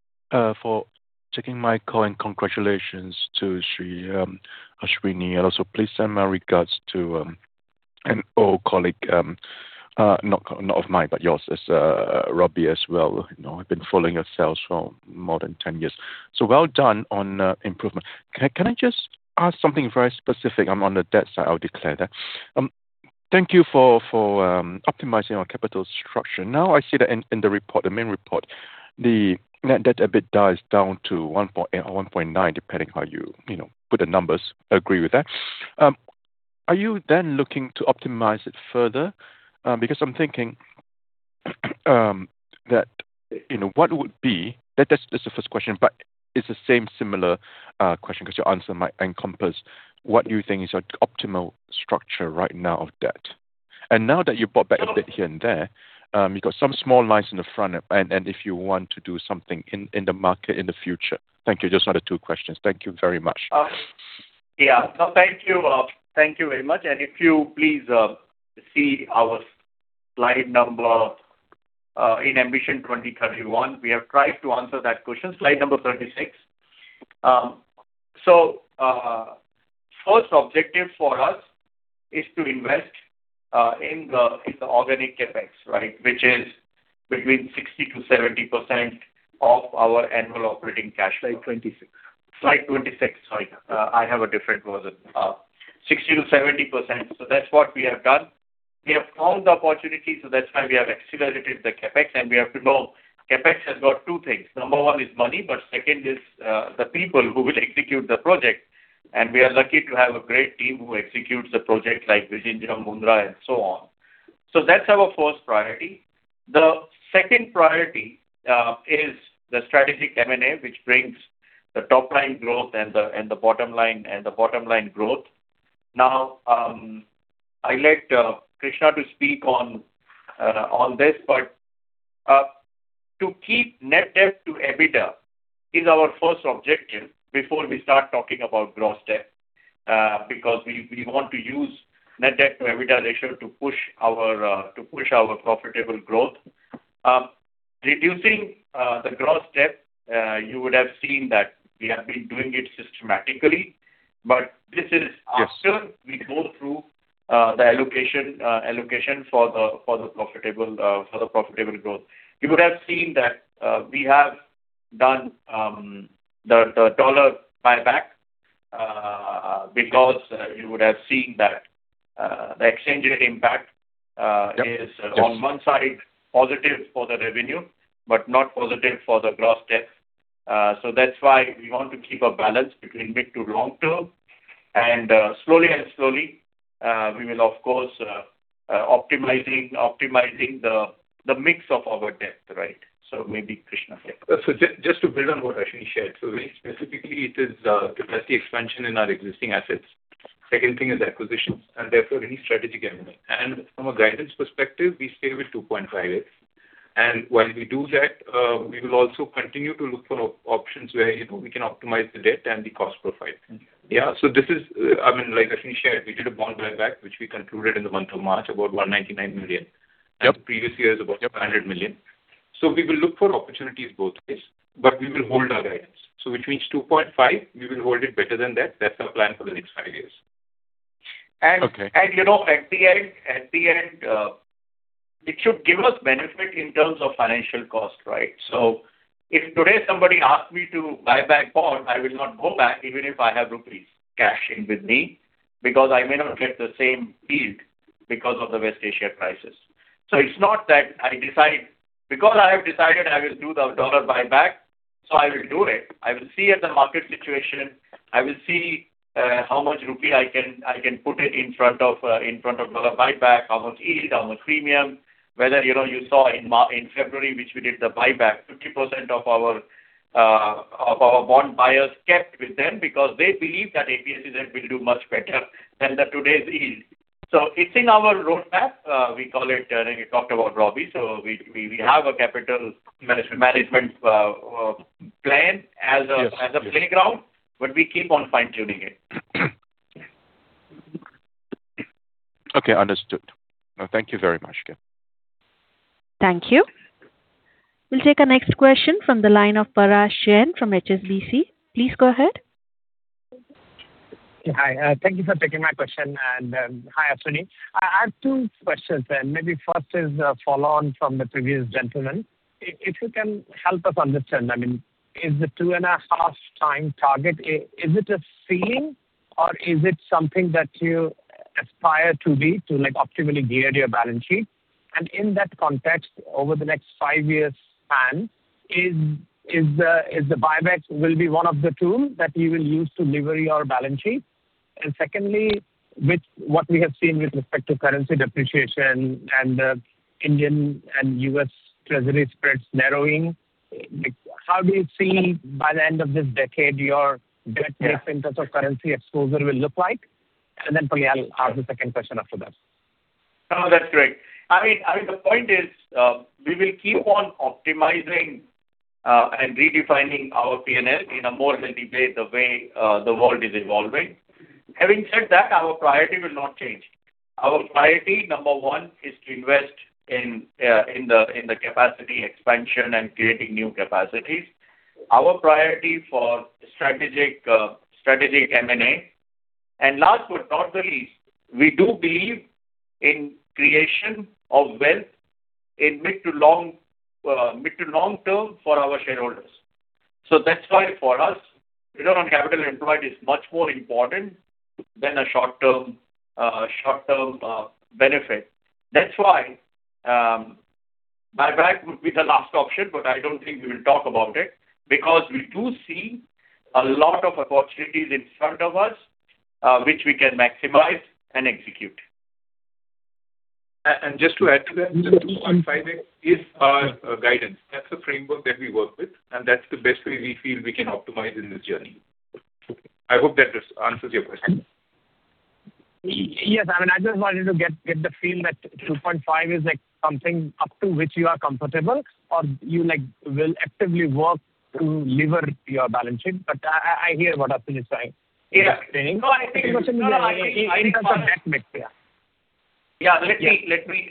for taking my call and congratulations to Sri Ashwani Gupta. Also please send my regards to an old colleague, not of mine, but yours, as Jugeshinder Singh as well. You know, I've been following your sales for more than 10 years. Well done on improvement. Can I just ask something very specific? I'm on the debt side, I'll declare that. Thank you for optimizing our capital structure. I see that in the report, the main report, the net debt EBITDA is down to 1.8 or 1.9, depending how you know, put the numbers. Agree with that. Are you then looking to optimize it further? Because I'm thinking that, you know, what would be. That's the first question. It's the same similar question because your answer might encompass what you think is our optimal structure right now of debt. Now that you bought back a bit here and there, you got some small lines in the front and if you want to do something in the market in the future. Thank you. Just another two questions. Thank you very much. Yeah. No, thank you. Thank you very much. If you please, see our slide number in Ambition 2031, we have tried to answer that question. Slide number 36. First objective for us is to invest in the organic CapEx, right? Which is between 60%-70% of our annual operating cash flow. Slide 26. Slide 26. I have a different version. 60%-70%. That's what we have done. We have found the opportunity, that's why we have accelerated the CapEx. We have to know CapEx has got two things. Number one is money, second is the people who will execute the project. We are lucky to have a great team who executes the project like Vizhinjam, Mundra and so on. That's our first priority. The second priority is the strategic M&A, which brings the top line growth and the bottom line growth. Now, I'll let Krishna to speak on this. To keep net debt to EBITDA is our first objective before we start talking about gross debt. Because we want to use net debt to EBITDA ratio to push our profitable growth. Reducing the gross debt, you would have seen that we have been doing it systematically. Yes After we go through the allocation for the profitable growth. You would have seen that we have done the dollar buyback because you would have seen that the exchange rate impact. Yep. Yes Is on one side positive for the revenue, but not positive for the gross debt. That's why we want to keep a balance between mid to long term. Slowly and slowly, we will of course, optimizing the mix of our debt, right? Maybe Krishna can- Just to build on what Ashwani Gupta shared. Very specifically, it is capacity expansion in our existing assets. Second thing is acquisitions, and therefore any strategic M&A. From a guidance perspective, we stay with 2.5. While we do that, we will also continue to look for options where, you know, we can optimize the debt and the cost profile. Mm-hmm. Yeah. This is, I mean, like Ashwani shared, we did a bond buyback, which we concluded in the month of March, about 199 million. Yep. The previous year it was about. Yep 100 million. We will look for opportunities both ways, but we will hold our guidance. Which means 2.5, we will hold it better than that. That's our plan for the next five years. Okay. you know, at the end, it should give us benefit in terms of financial cost, right? If today somebody asked me to buy back bond, I will not go back even if I have INR cash in with me, because I may not get the same yield because of the West Asia prices. It's not that I decide because I have decided I will do the USD buyback, so I will do it. I will see at the market situation, I will see how much INR I can put it in front of USD buyback, how much yield, how much premium. Whether, you know, you saw in February, which we did the buyback, 50% of our bond buyers kept with them because they believe that APSEZ will do much better than the today's yield. It's in our roadmap, we call it, when you talked about Robbie. We have a capital management plan as a playground, but we keep on fine-tuning it. Okay, understood. Thank you very much again. Thank you. We'll take our next question from the line of Parag Sheth from HSBC. Please go ahead. Hi, thank you for taking my question. Hi, Ashwani Gupta. I have two questions then. Maybe first is a follow on from the previous gentleman. If you can help us understand, is the 2.5 time target a ceiling or is it something that you aspire to be to optimally gear your balance sheet? In that context, over the next five years span, is the buyback will be one of the tools that you will use to lever your balance sheet? Secondly, with what we have seen with respect to currency depreciation and Indian and U.S. Treasury spreads narrowing, how do you see by the end of this decade your debt mix. Yeah In terms of currency exposure will look like? Then probably I'll ask the second question after that. No, that's great. I mean, I think the point is, we will keep on optimizing and redefining our P&L in a more healthy way, the way the world is evolving. Having said that, our priority will not change. Our priority, number one, is to invest in the capacity expansion and creating new capacities. Our priority for strategic M&A. Last but not the least, we do believe in creation of wealth in mid to long term for our shareholders. That's why for us, return on capital employed is much more important than a short-term benefit. That's why buyback would be the last option, but I don't think we will talk about it because we do see a lot of opportunities in front of us which we can maximize and execute. Just to add to that. Yes, please. The 2.5x is our guidance. That's the framework that we work with, and that's the best way we feel we can optimize in this journey. Okay. I hope that this answers your question. Yes. I mean, I just wanted to get the feel that 2.5 is like something up to which you are comfortable or you like will actively work to lever your balance sheet. I hear what Ashwani Gupta is saying. Yeah. In terms of that mix, yeah. Yeah. Yeah. Let me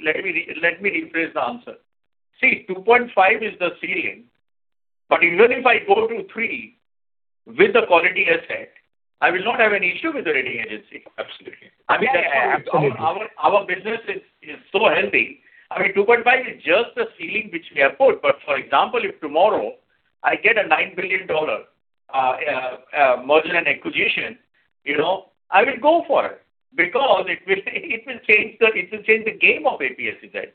rephrase the answer. 2.5 is the ceiling, but even if I go to three with a quality asset, I will not have an issue with the rating agency. Absolutely. I mean- Yeah, absolutely. Our business is so healthy. I mean, 2.5 is just the ceiling which we have put. For example, if tomorrow I get a $9 billion merger and acquisition, you know, I will go for it because it will change the game of APSEZ.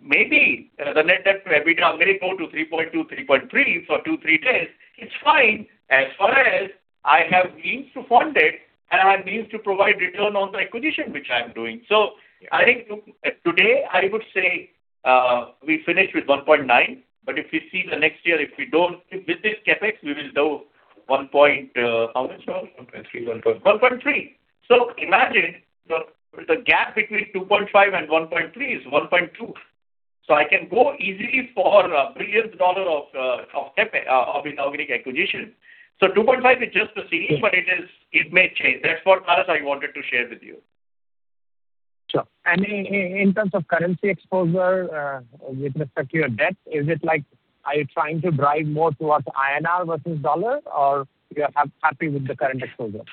Maybe the net debt/EBITDA may go to 3.2, 3.3 for 2, 3 years. It's fine as far as I have means to fund it and I have means to provide return on the acquisition which I'm doing. I think today I would say, we finish with 1.9, but if we see the next year, if we don't With this CapEx, we will do one., how much, Rahul? 1.3, 1.0- 1.3. Imagine the gap between 2.5 and 1.3 is 1.2. I can go easily for INR 1 billion of CapEx of inorganic acquisition. 2.5 is just the ceiling. Mm-hmm It is, it may change. That's what, Parag, I wanted to share with you. Sure. In terms of currency exposure, with respect to your debt, is it like, are you trying to drive more towards INR versus USD or you are happy with the current exposure?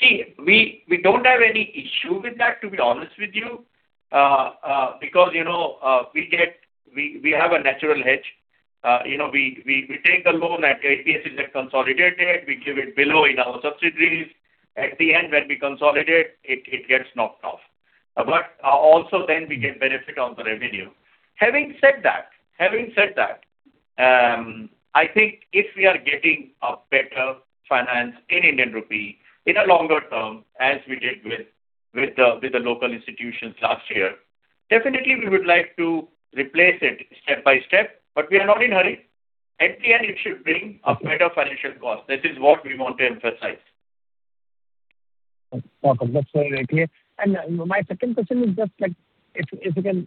See, we don't have any issue with that, to be honest with you. Because, you know, we have a natural hedge. You know, we take the loan at APSEZ consolidated, we keep it below in our subsidiaries. At the end, when we consolidate, it gets knocked off. Also then we get benefit on the revenue. Having said that, I think if we are getting a better finance in Indian Rupee in a longer term, as we did with the local institutions last year, definitely we would like to replace it step by step, but we are not in hurry. At the end, it should bring a better financial cost. This is what we want to emphasize. Okay. That's very, very clear. My second question is just like if you can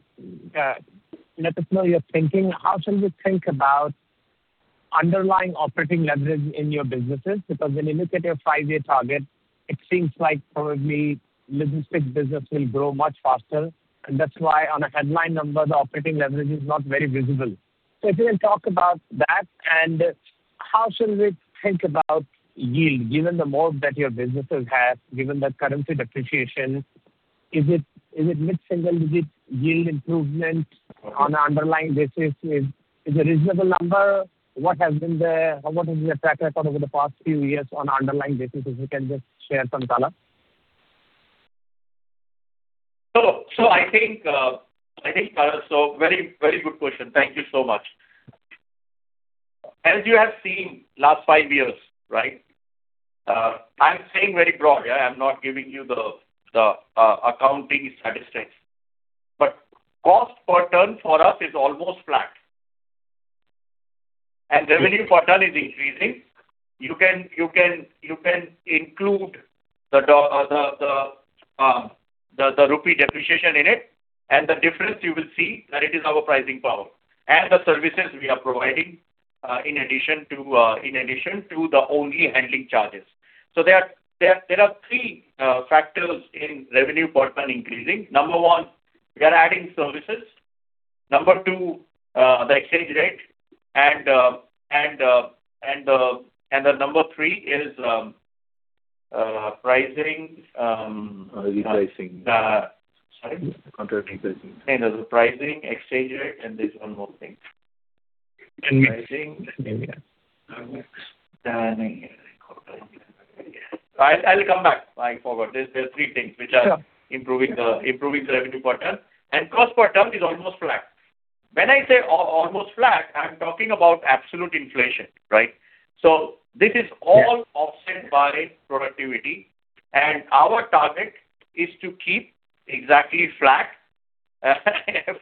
let us know your thinking, how should we think about underlying operating leverage in your businesses? Because when you look at your five year target, it seems like probably logistics business will grow much faster. That's why on a headline number, the operating leverage is not very visible. If you can talk about that, and how should we think about yield given the mode that your businesses have, given the currency depreciation. Is it mid-single-digit yield improvement on a underlying basis is a reasonable number? What is the track record over the past few years on underlying basis, if you can just share some color? So I think, so very, very good question. Thank you so much. As you have seen last five years, right? I'm saying very broad, yeah. I'm not giving you the accounting statistics. Cost per ton for us is almost flat. Okay. Revenue per ton is increasing. You can include the INR depreciation in it. The difference you will see that it is our pricing power and the services we are providing in addition to the only handling charges. There are three factors in revenue per ton increasing. Number one, we are adding services. Number two, the exchange rate. The number three is pricing. Repricing. Sorry. Contract repricing. There's pricing, exchange rate, and there's one more thing. I'll come back. I forgot. There are three things. Sure which are improving the revenue per ton. Cost per ton is almost flat. When I say almost flat, I'm talking about absolute inflation, right? Yeah Offset by productivity. Our target is to keep exactly flat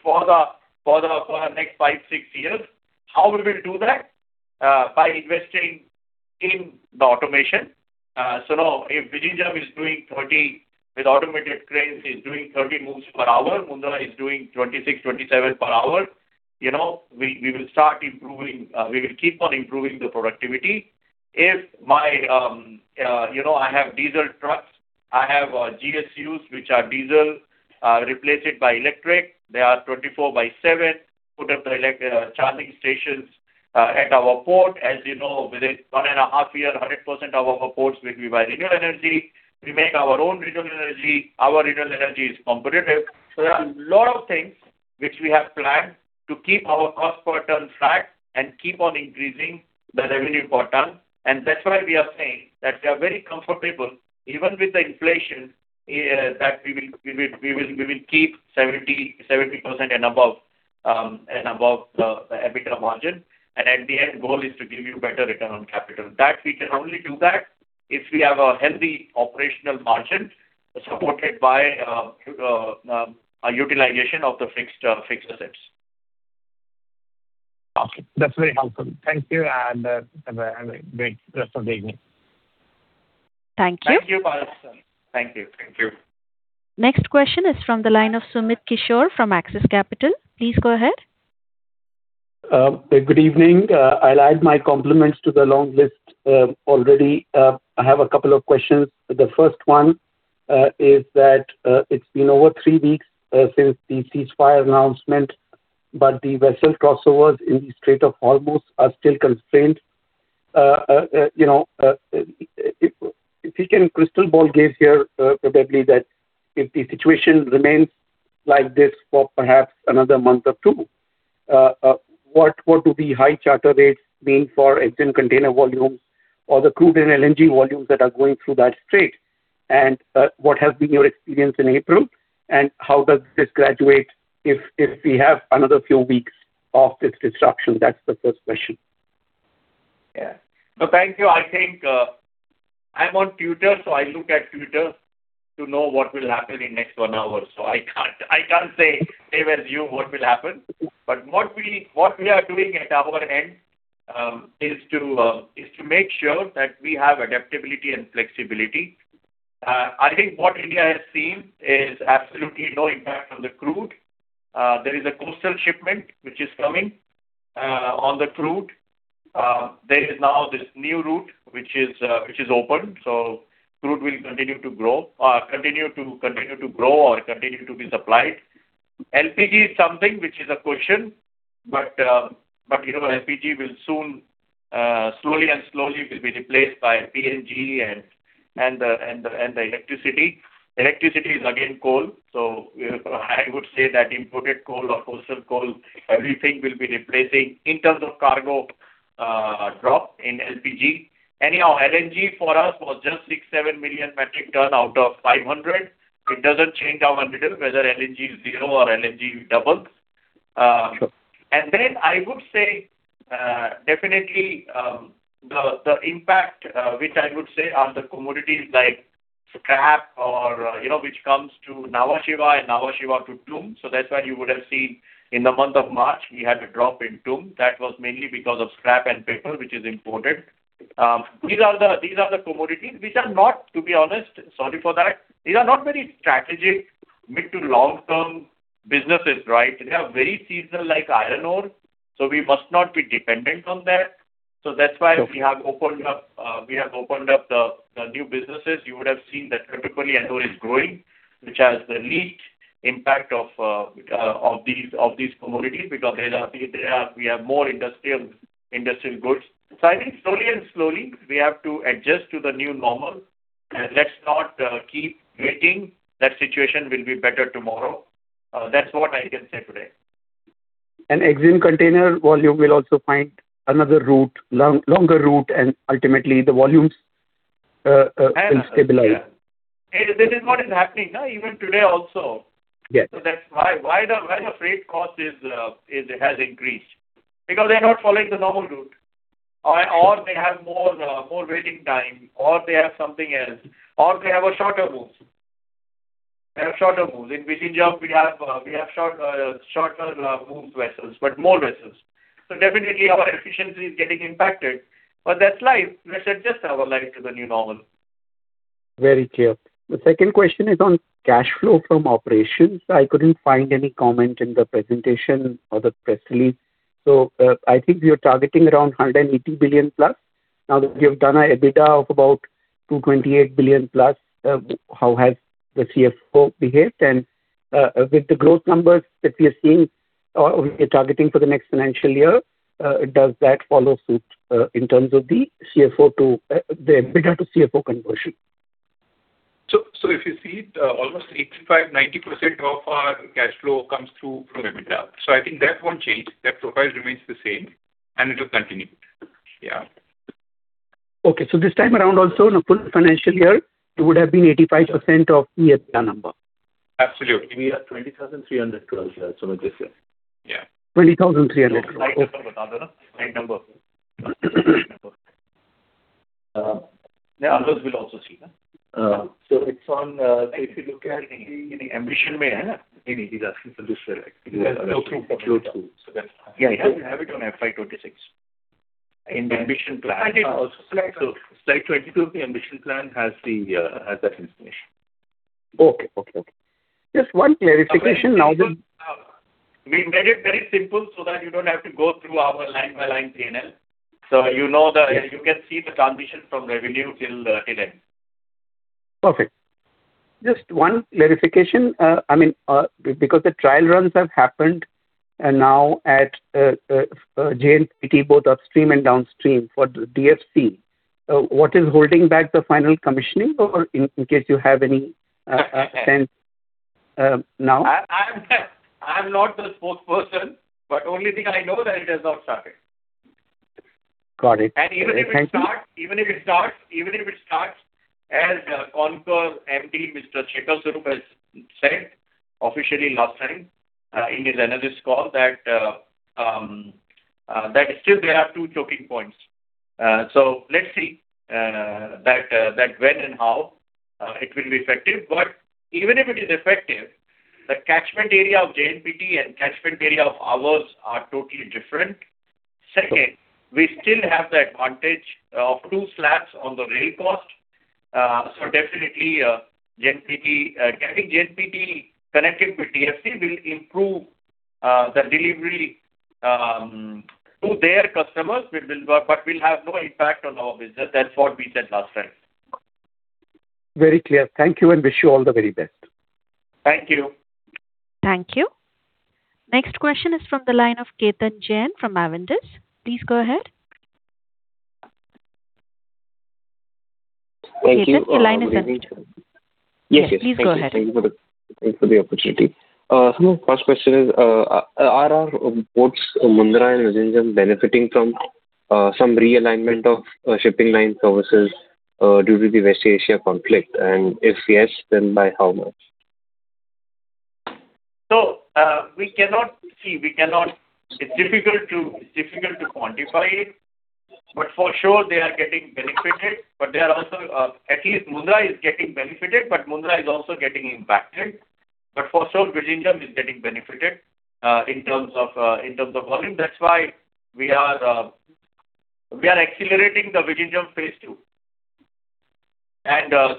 for the next five, six years. How we will do that? By investing in the automation. Now if Vizag is doing 30 with automated cranes is doing 30 moves per hour, Mundra is doing 26, 27 per hour. You know, we will start improving, we will keep on improving the productivity. If my, you know, I have diesel trucks, I have GSUs which are diesel, replaced by electric. They are 24/7. Put up the charging stations at our port. As you know, within 1.5 year, 100% of our ports will be by renewable energy. We make our own renewable energy. Our renewable energy is competitive. There are a lot of things which we have planned to keep our cost per ton flat and keep on increasing the revenue per ton. That's why we are saying that we are very comfortable even with the inflation, that we will keep 70% and above the EBITDA margin. At the end, goal is to give you better return on capital. That we can only do that if we have a healthy operational margin supported by a utilization of the fixed assets. Okay. That's very helpful. Thank you. Have a great rest of the evening. Thank you. Thank you, Parag Sheth. Thank you. Thank you. Next question is from the line of Sumit Kishore from Axis Capital. Please go ahead. Good evening. I'll add my compliments to the long list already. I have a couple of questions. The first one is that it's been over three weeks since the ceasefire announcement, but the vessel crossovers in the Strait of Hormuz are still constrained. You know, if we can crystal ball gaze here, probably that if the situation remains like this for perhaps another month or two, what would the high charter rates mean for Adani container volumes or the crude and LNG volumes that are going through that strait? What has been your experience in April, and how does this graduate if we have another few weeks of this disruption? That's the first question. Yeah. Thank you. I think, I'm on Twitter, I look at Twitter to know what will happen in next one hour. I can't, I can't say with you what will happen. What we are doing at our end is to make sure that we have adaptability and flexibility. I think what India has seen is absolutely no impact on the crude. There is a coastal shipment which is coming on the crude. There is now this new route which is open, crude will continue to grow or continue to be supplied. LPG is something which is a question, you know, LPG will soon slowly will be replaced by PNG and the electricity. Electricity is again coal. I would say that imported coal or coastal coal, everything will be replacing. In terms of cargo, drop in LPG. Anyhow, LNG for us was just 6, 7 million metric ton out of 500. It doesn't change our narrative whether LNG is zero or LNG doubles. Sure. I would say, definitely, the impact, which I would say are the commodities like scrap or, you know, which comes to Nhava Sheva and Nhava Sheva to Tuna Port. You would have seen in the month of March we had a drop in Tuna Port. That was mainly because of scrap and paper, which is imported. These are the commodities which are not, to be honest, sorry for that, these are not very strategic mid to long-term businesses, right? They are very seasonal like iron ore. We must not be dependent on that. Sure. We have opened up the new businesses. You would have seen that typically iron ore is growing, which has the least impact of these commodities because they are, we have more industrial goods. I think slowly and slowly we have to adjust to the new normal. Let's not keep waiting that situation will be better tomorrow. That's what I can say today. Exim container volume will also find another route, long, longer route, and ultimately the volumes will stabilize. Yeah. This is what is happening even today also. Yes. That's why the freight cost is, has increased. They are not following the normal route, or they have more waiting time, or they have something else, or they have a shorter route. They have shorter route. In Vizhinjam we have shorter route vessels, but more vessels. Definitely our efficiency is getting impacted, but that's life. Let's adjust our life to the new normal. Very clear. The second question is on cash flow from operations. I couldn't find any comment in the presentation or the press release. I think you're targeting around 180 billion+. Now that you've done a EBITDA of about 228 billion+, how has the CFO behaved? With the growth numbers that we are seeing or we are targeting for the next financial year, does that follow suit in terms of the CFO to the EBITDA to CFO conversion? If you see, almost 85%-90% of our cash flow comes through from EBITDA. I think that won't change. That profile remains the same, and it will continue. Yeah. Okay. This time around also in the full financial year, it would have been 85% of EBITDA number. Absolutely. We are INR 20,300 crores as of this year. Yeah. INR 20,300 crores. Okay. Yeah, others will also see that. Uh- It's on. He's asking for this slide. Go through. Go through. Yeah, yeah. We have it on FY 2026. In the ambition plan also. Slide 22 of the ambition plan has that information. Okay. Okay, okay. Just one clarification. Now We made it very simple so that you don't have to go through our line by line P&L. You can see the transition from revenue till till end. Perfect. Just one clarification. I mean, because the trial runs have happened and now at JNPT both upstream and downstream for DFC. What is holding back the final commissioning or in case you have any sense now? I'm not the spokesperson, but only thing I know that it has not started. Got it. Even if it starts- Thank you. Even if it starts, as CONCOR MD, Mr. Sanjay Swarup has said officially last time, in his analyst call that still there are two choking points. Let's see that when and how it will be effective. Even if it is effective, the catchment area of JNPT and catchment area of ours are totally different. Second, we still have the advantage of two slabs on the rail cost. Definitely, JNPT carrying JNPT connecting with DFC will improve the delivery to their customers. Will have no impact on our business. That's what we said last time. Very clear. Thank you and wish you all the very best. Thank you. Thank you. Next question is from the line of Ketan Jain from Avendus. Please go ahead. Thank you. Ketan, your line is open. Yes, yes. Please go ahead. Thank you. Thank you for the opportunity. First question is, are our ports Mundra and Vizhinjam benefiting from some realignment of shipping line services due to the West Asia conflict? If yes, then by how much? We cannot see, we cannot. It's difficult to quantify it, but for sure they are getting benefited. They are also, at least Mundra is getting benefited, but Mundra is also getting impacted. For sure Vizhinjam is getting benefited, in terms of volume. That's why we are accelerating the Vizhinjam phase II.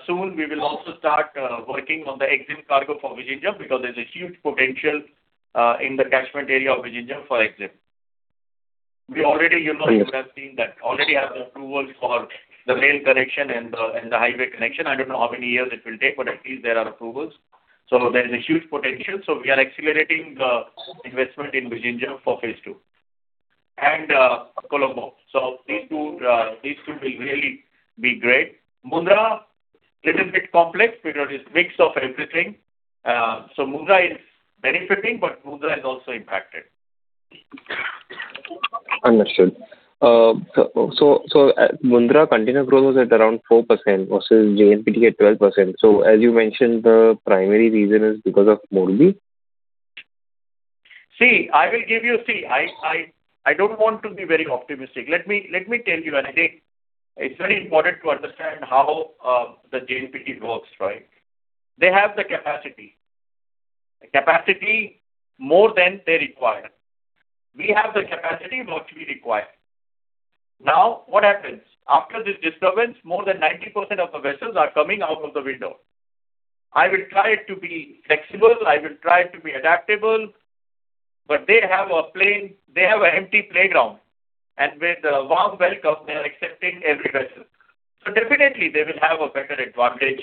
Soon we will also start working on the exim cargo for Vizhinjam because there's a huge potential in the catchment area of Vizhinjam for exim. We already, you know, you would have seen that. Already have the approvals for the rail connection and the highway connection. I don't know how many years it will take, but at least there are approvals. There's a huge potential. We are accelerating the investment in Vizhinjam for phase II. Colombo. These two will really be great. Mundra little bit complex because it's mix of everything. Mundra is benefiting, but Mundra is also impacted. Understood. Mundra container growth was at around 4% versus JNPT at 12%. As you mentioned, the primary reason is because of Mormugao? I don't want to be very optimistic. Let me tell you, I think it's very important to understand how the JNPT works, right? They have the capacity. The capacity more than they require. We have the capacity more to be required. What happens? After this disturbance, more than 90% of the vessels are coming out of the window. I will try to be flexible, I will try to be adaptable, they have an empty playground. With a warm welcome, they are accepting every vessel. Definitely they will have a better advantage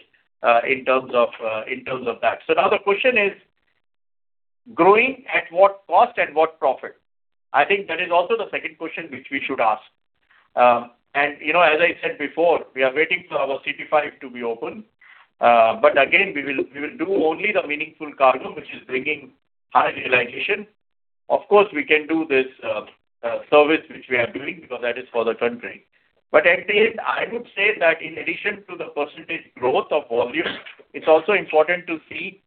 in terms of in terms of that. Now the question is growing at what cost and what profit? I think that is also the second question which we should ask. You know, as I said before, we are waiting for our CT5 to be open. Again, we will do only the meaningful cargo which is bringing high realization. Of course, we can do this service which we are doing because that is for the country. At the end, I would say that in addition to the % growth of volume, it's also important to see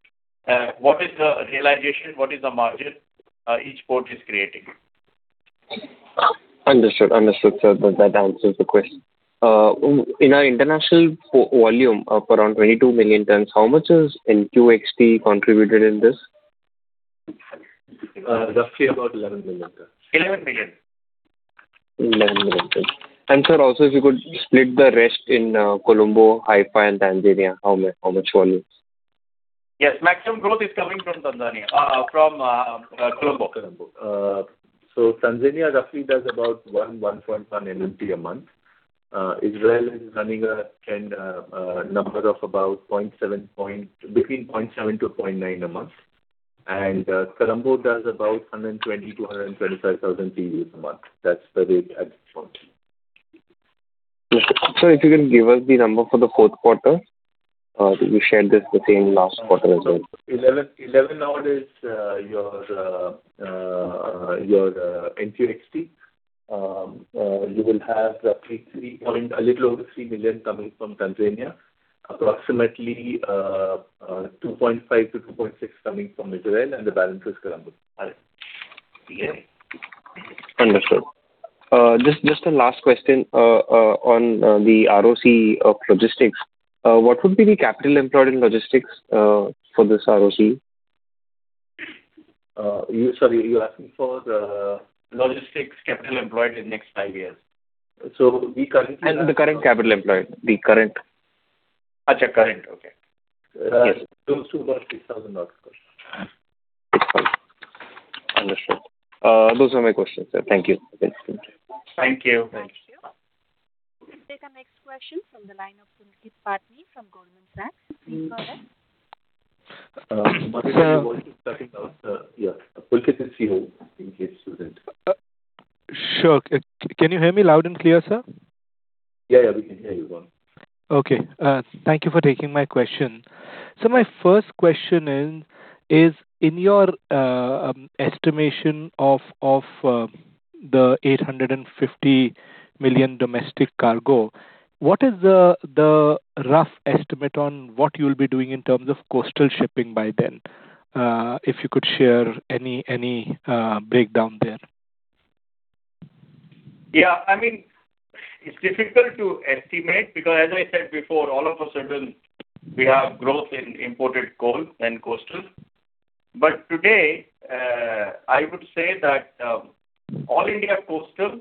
what is the realization, what is the margin each port is creating. Understood. Understood, sir. That answers the question. In our international volume of around 22 million tons, how much is NQXT contributed in this? Roughly about 11 million tons. 11 million. 11 million tons. And sir, also if you could split the rest in Colombo, Haifa and Tanzania, how much volumes? Yes, maximum growth is coming from Tanzania, from Colombo. Colombo. Tanzania roughly does about 1.1 MMT a month. Israel is running a number of about between 0.7 to 0.9 a month. Colombo does about 120,000 to 125,000 TEUs a month. That's the rate at this point. Understood. Sir, if you can give us the number for the fourth quarter, you shared this the same last quarter as well. 11 now is your NQXT. You will have roughly a little over 3 million coming from Tanzania. Approximately, 2.5 to 2.6 coming from Israel, and the balance is Colombo. All right. Yeah. Understood. Just a last question on the ROC of logistics. What would be the capital employed in logistics for this ROC? Sorry, you're asking for the- Logistics capital employed in next five years. We currently have. As in the current capital employed. Acha, current. Okay. Yes. $2,600. Understood. Those are my questions, sir. Thank you. Thank you. Thank you. Thank you. We'll take our next question from the line of Pulkit Patni from Goldman Sachs. Please go ahead. Pulkit, your voice is cutting out, sir. Yeah. Pulkit is free hold in case Sujeet. Sure. Can you hear me loud and clear, sir? Yeah, yeah, we can hear you well. Okay. Thank you for taking my question. My first question is in your estimation of the 850 million domestic cargo, what is the rough estimate on what you'll be doing in terms of coastal shipping by then? If you could share any breakdown there. Yeah, I mean, it's difficult to estimate because as I said before, all of a sudden we have growth in imported coal and coastal. Today, I would say that all India coastal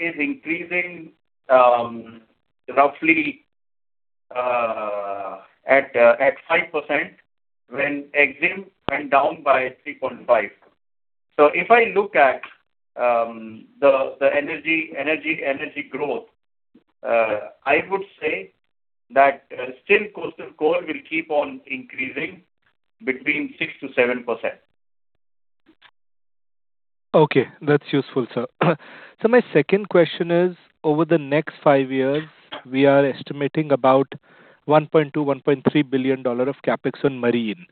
is increasing roughly at 5% when exim went down by 3.5. If I look at the energy growth, I would say that still coastal coal will keep on increasing between 6%-7%. That's useful, sir. My second question is, over the next five years we are estimating about $1.2 billion-$1.3 billion of CapEx on marine.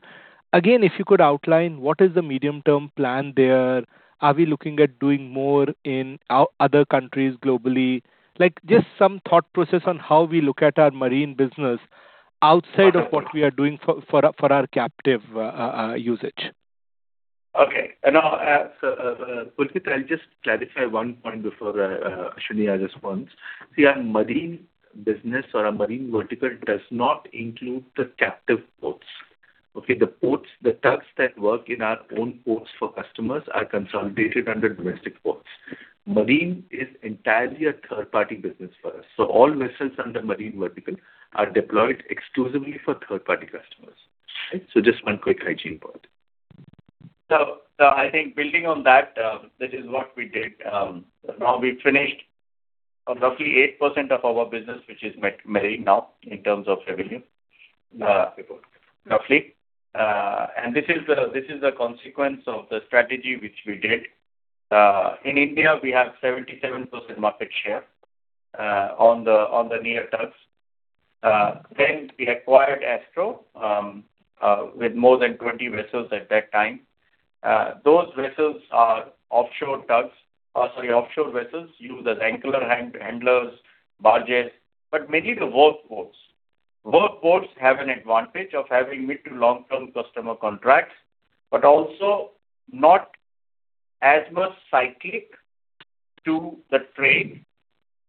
Again, if you could outline what is the medium-term plan there? Are we looking at doing more in other countries globally? Like, just some thought process on how we look at our marine business outside of what we are doing for our captive usage. Okay. Pulkit, I'll just clarify one point before Shunya responds. See, our marine business or our marine vertical does not include the captive ports. Okay? The ports, the tugs that work in our own ports for customers are consolidated under domestic ports. Marine is entirely a third-party business for us. All vessels under marine vertical are deployed exclusively for third-party customers. Right? Just one quick hygiene point. I think building on that, this is what we did. Now we finished roughly 8% of our business, which is marine now in terms of revenue. This is the consequence of the strategy which we did. In India we have 77% market share on the near tugs. We acquired Astro with more than 20 vessels at that time. Those vessels are offshore tugs. Offshore vessels used as anchor hand-handlers, barges, but mainly the workboats. Workboats have an advantage of having mid to long-term customer contracts, but also not as much cyclic to the trade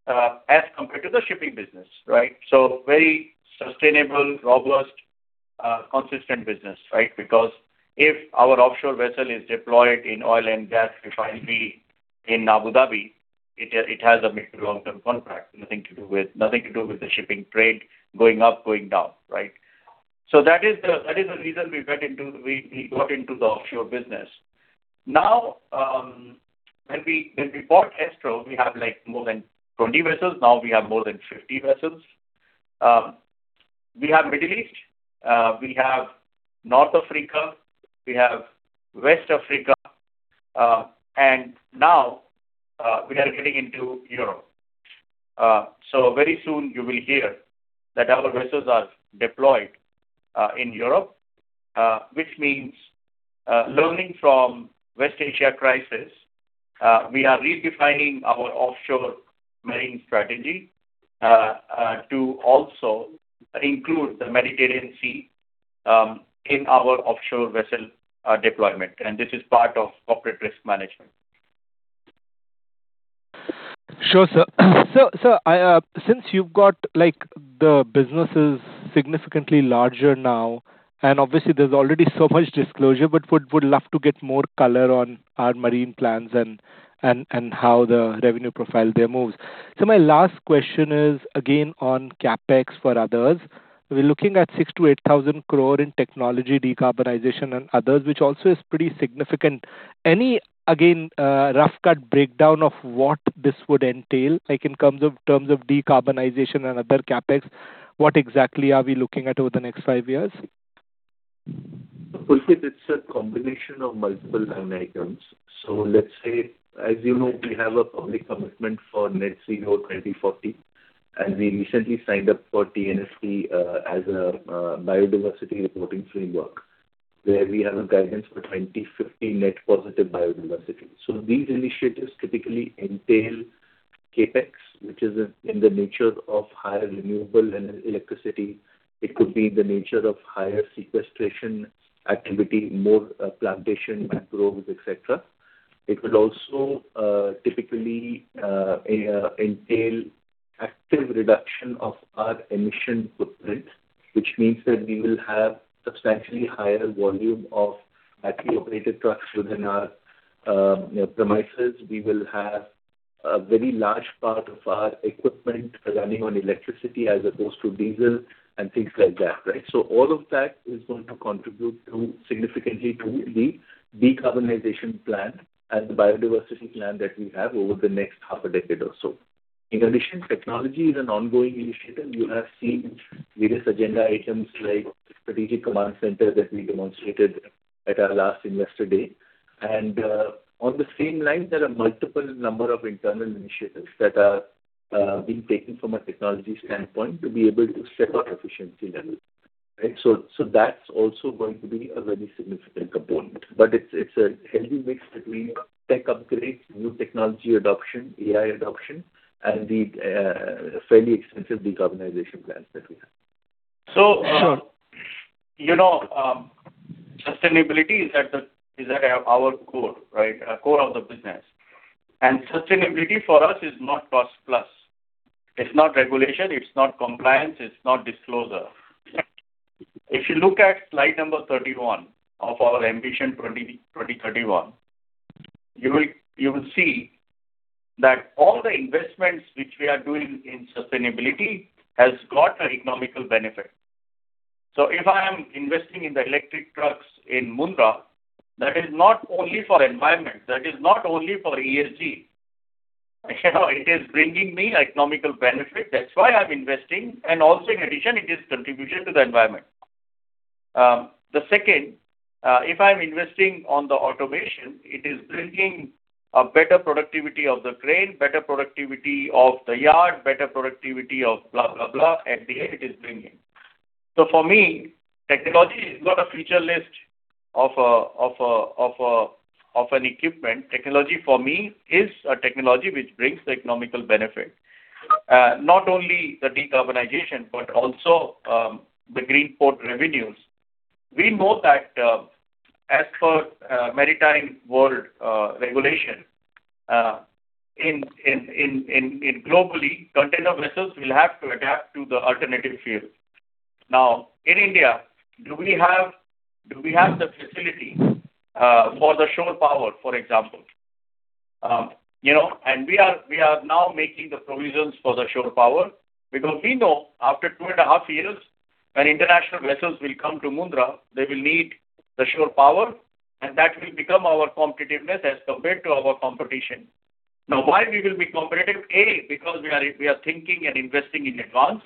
as compared to the shipping business, right? Very sustainable, robust, consistent business, right? Because if our offshore vessel is deployed in oil and gas refinery in Abu Dhabi, it has a mid to long-term contract. Nothing to do with the shipping trade going up, going down, right? That is the reason we got into the offshore business. Now, when we bought Astro, we have more than 20 vessels. Now we have more than 50 vessels. We have Middle East, we have North Africa, we have West Africa, and now we are getting into Europe. Very soon you will hear that our vessels are deployed in Europe, which means learning from West Asia crisis, we are redefining our offshore marine strategy to also include the Mediterranean Sea in our offshore vessel deployment, and this is part of corporate risk management. Sure, sir. Since you've got, like, the business is significantly larger now, and obviously there's already so much disclosure, but would love to get more color on our marine plans and how the revenue profile there moves. My last question is, again, on CapEx for others. We're looking at 6,000 crore-8,000 crore in technology, decarbonization and others, which also is pretty significant. Any, again, rough cut breakdown of what this would entail, like in terms of decarbonization and other CapEx? What exactly are we looking at over the next five years? Pulkit, it's a combination of multiple line items. Let's say, as you know, we have a public commitment for net zero by 2040, and we recently signed up for TNFD as a biodiversity reporting framework, where we have a guidance for 2050 net positive biodiversity. These initiatives typically entail CapEx, which is in the nature of higher renewable electricity. It could be in the nature of higher sequestration activity, more plantation, mangroves, et cetera. It will also typically entail active reduction of our emission footprint, which means that we will have substantially higher volume of battery-operated trucks within our premises. We will have a very large part of our equipment running on electricity as opposed to diesel and things like that, right? All of that is going to contribute to, significantly to the decarbonization plan and the biodiversity plan that we have over the next half a decade or so. In addition, technology is an ongoing initiative. You have seen various agenda items like strategic command center that we demonstrated at our last investor day. On the same line, there are multiple number of internal initiatives that are being taken from a technology standpoint to be able to step up efficiency levels, right? That's also going to be a very significant component. It's a healthy mix between tech upgrades, new technology adoption, AI adoption, and the fairly expensive decarbonization plans that we have. So- Sure You know, sustainability is at our core, right, our core of the business. Sustainability for us is not cost plus. It's not regulation, it's not compliance, it's not disclosure. If you look at slide number 31 of our ambition 2031, you will see that all the investments which we are doing in sustainability has got an economical benefit. If I am investing in the electric trucks in Mundra, that is not only for environment, that is not only for ESG. You know, it is bringing me economical benefit. That's why I'm investing. Also in addition, it is contribution to the environment. The second, if I'm investing on the automation, it is bringing a better productivity of the crane, better productivity of the yard, better productivity of blah, blah, at the end it is bringing. For me, technology is not a feature list of an equipment. Technology for me is a technology which brings economic benefit. Not only the decarbonization, but also the green port revenues. We know that, as per maritime world regulation globally, container vessels will have to adapt to the alternative fuels. In India, do we have the facility for the shore power, for example? You know, we are now making the provisions for the shore power because we know after 2.5 years, when international vessels will come to Mundra, they will need the shore power, and that will become our competitiveness as compared to our competition. Why we will be competitive? A, because we are thinking and investing in advance.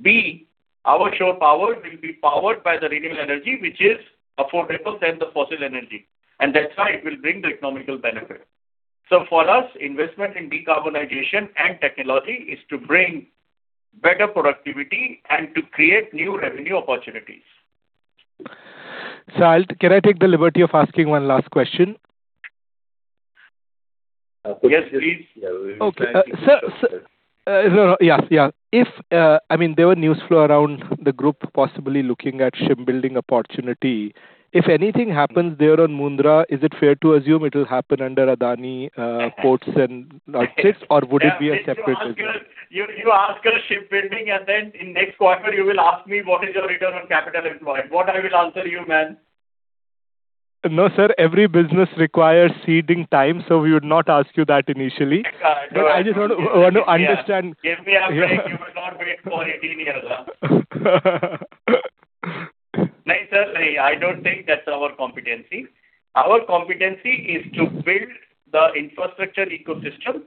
B, our shore power will be powered by the renewable energy which is affordable than the fossil energy. That's why it will bring the economical benefit. For us, investment in decarbonization and technology is to bring better productivity and to create new revenue opportunities. Sir, can I take the liberty of asking one last question? Yes, please. Yeah. Okay. Sir, no. Yeah. If... I mean, there were news flow around the group possibly looking at shipbuilding opportunity. If anything happens there on Mundra, is it fair to assume it will happen under Adani ports and logistics, or would it be a separate business? You ask a shipbuilding and then in next quarter you will ask me what is your return on capital employed. What I will answer you, man? No, sir. Every business requires seeding time, so we would not ask you that initially. I just want to understand. Give me a break. You will not wait for 18 years. No, sir. I don't think that's our competency. Our competency is to build the infrastructure ecosystem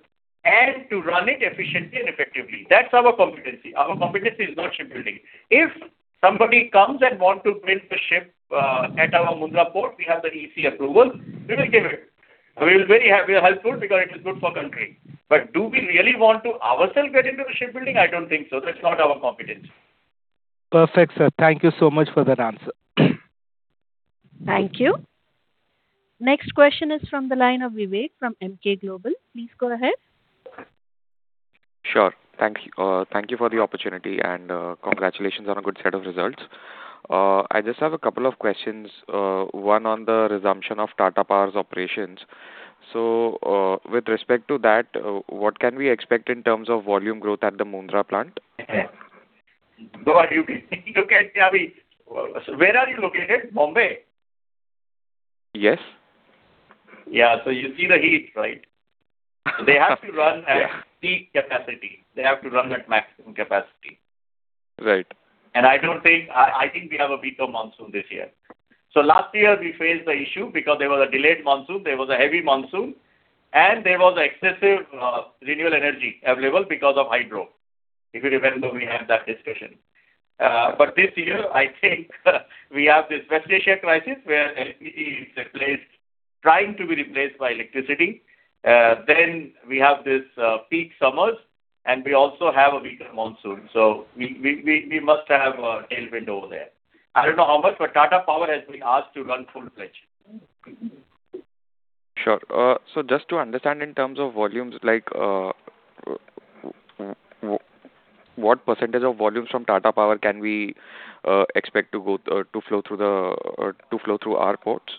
and to run it efficiently and effectively. That's our competency. Our competency is not shipbuilding. If somebody comes and want to build the ship at our Mundra Port, we have the EC approval, we will give it. We are very helpful because it is good for country. Do we really want to ourself get into the shipbuilding? I don't think so. That's not our competency. Perfect, sir. Thank you so much for that answer. Thank you. Next question is from the line of Vivek from Emkay Global. Please go ahead. Sure. Thank you for the opportunity and congratulations on a good set of results. I just have a couple of questions, one on the resumption of Tata Power's operations. With respect to that, what can we expect in terms of volume growth at the Mundra plant? Boy, you can hear me. Where are you located? Mumbai? Yes. Yeah. You see the heat, right? They have to run at peak capacity. They have to run at maximum capacity. Right. I don't think. I think we have a weaker monsoon this year. Last year we faced the issue because there was a delayed monsoon, there was a heavy monsoon, and there was excessive renewable energy available because of hydro. If you remember, we had that discussion. This year I think we have this West Asia crisis where LPG is replaced, trying to be replaced by electricity. We have this peak summers, and we also have a weaker monsoon. We must have a tailwind over there. I don't know how much, but Tata Power has been asked to run full-fledged. Sure. Just to understand in terms of volumes, like, what percentage of volumes from Tata Power can we expect to go to flow through our ports?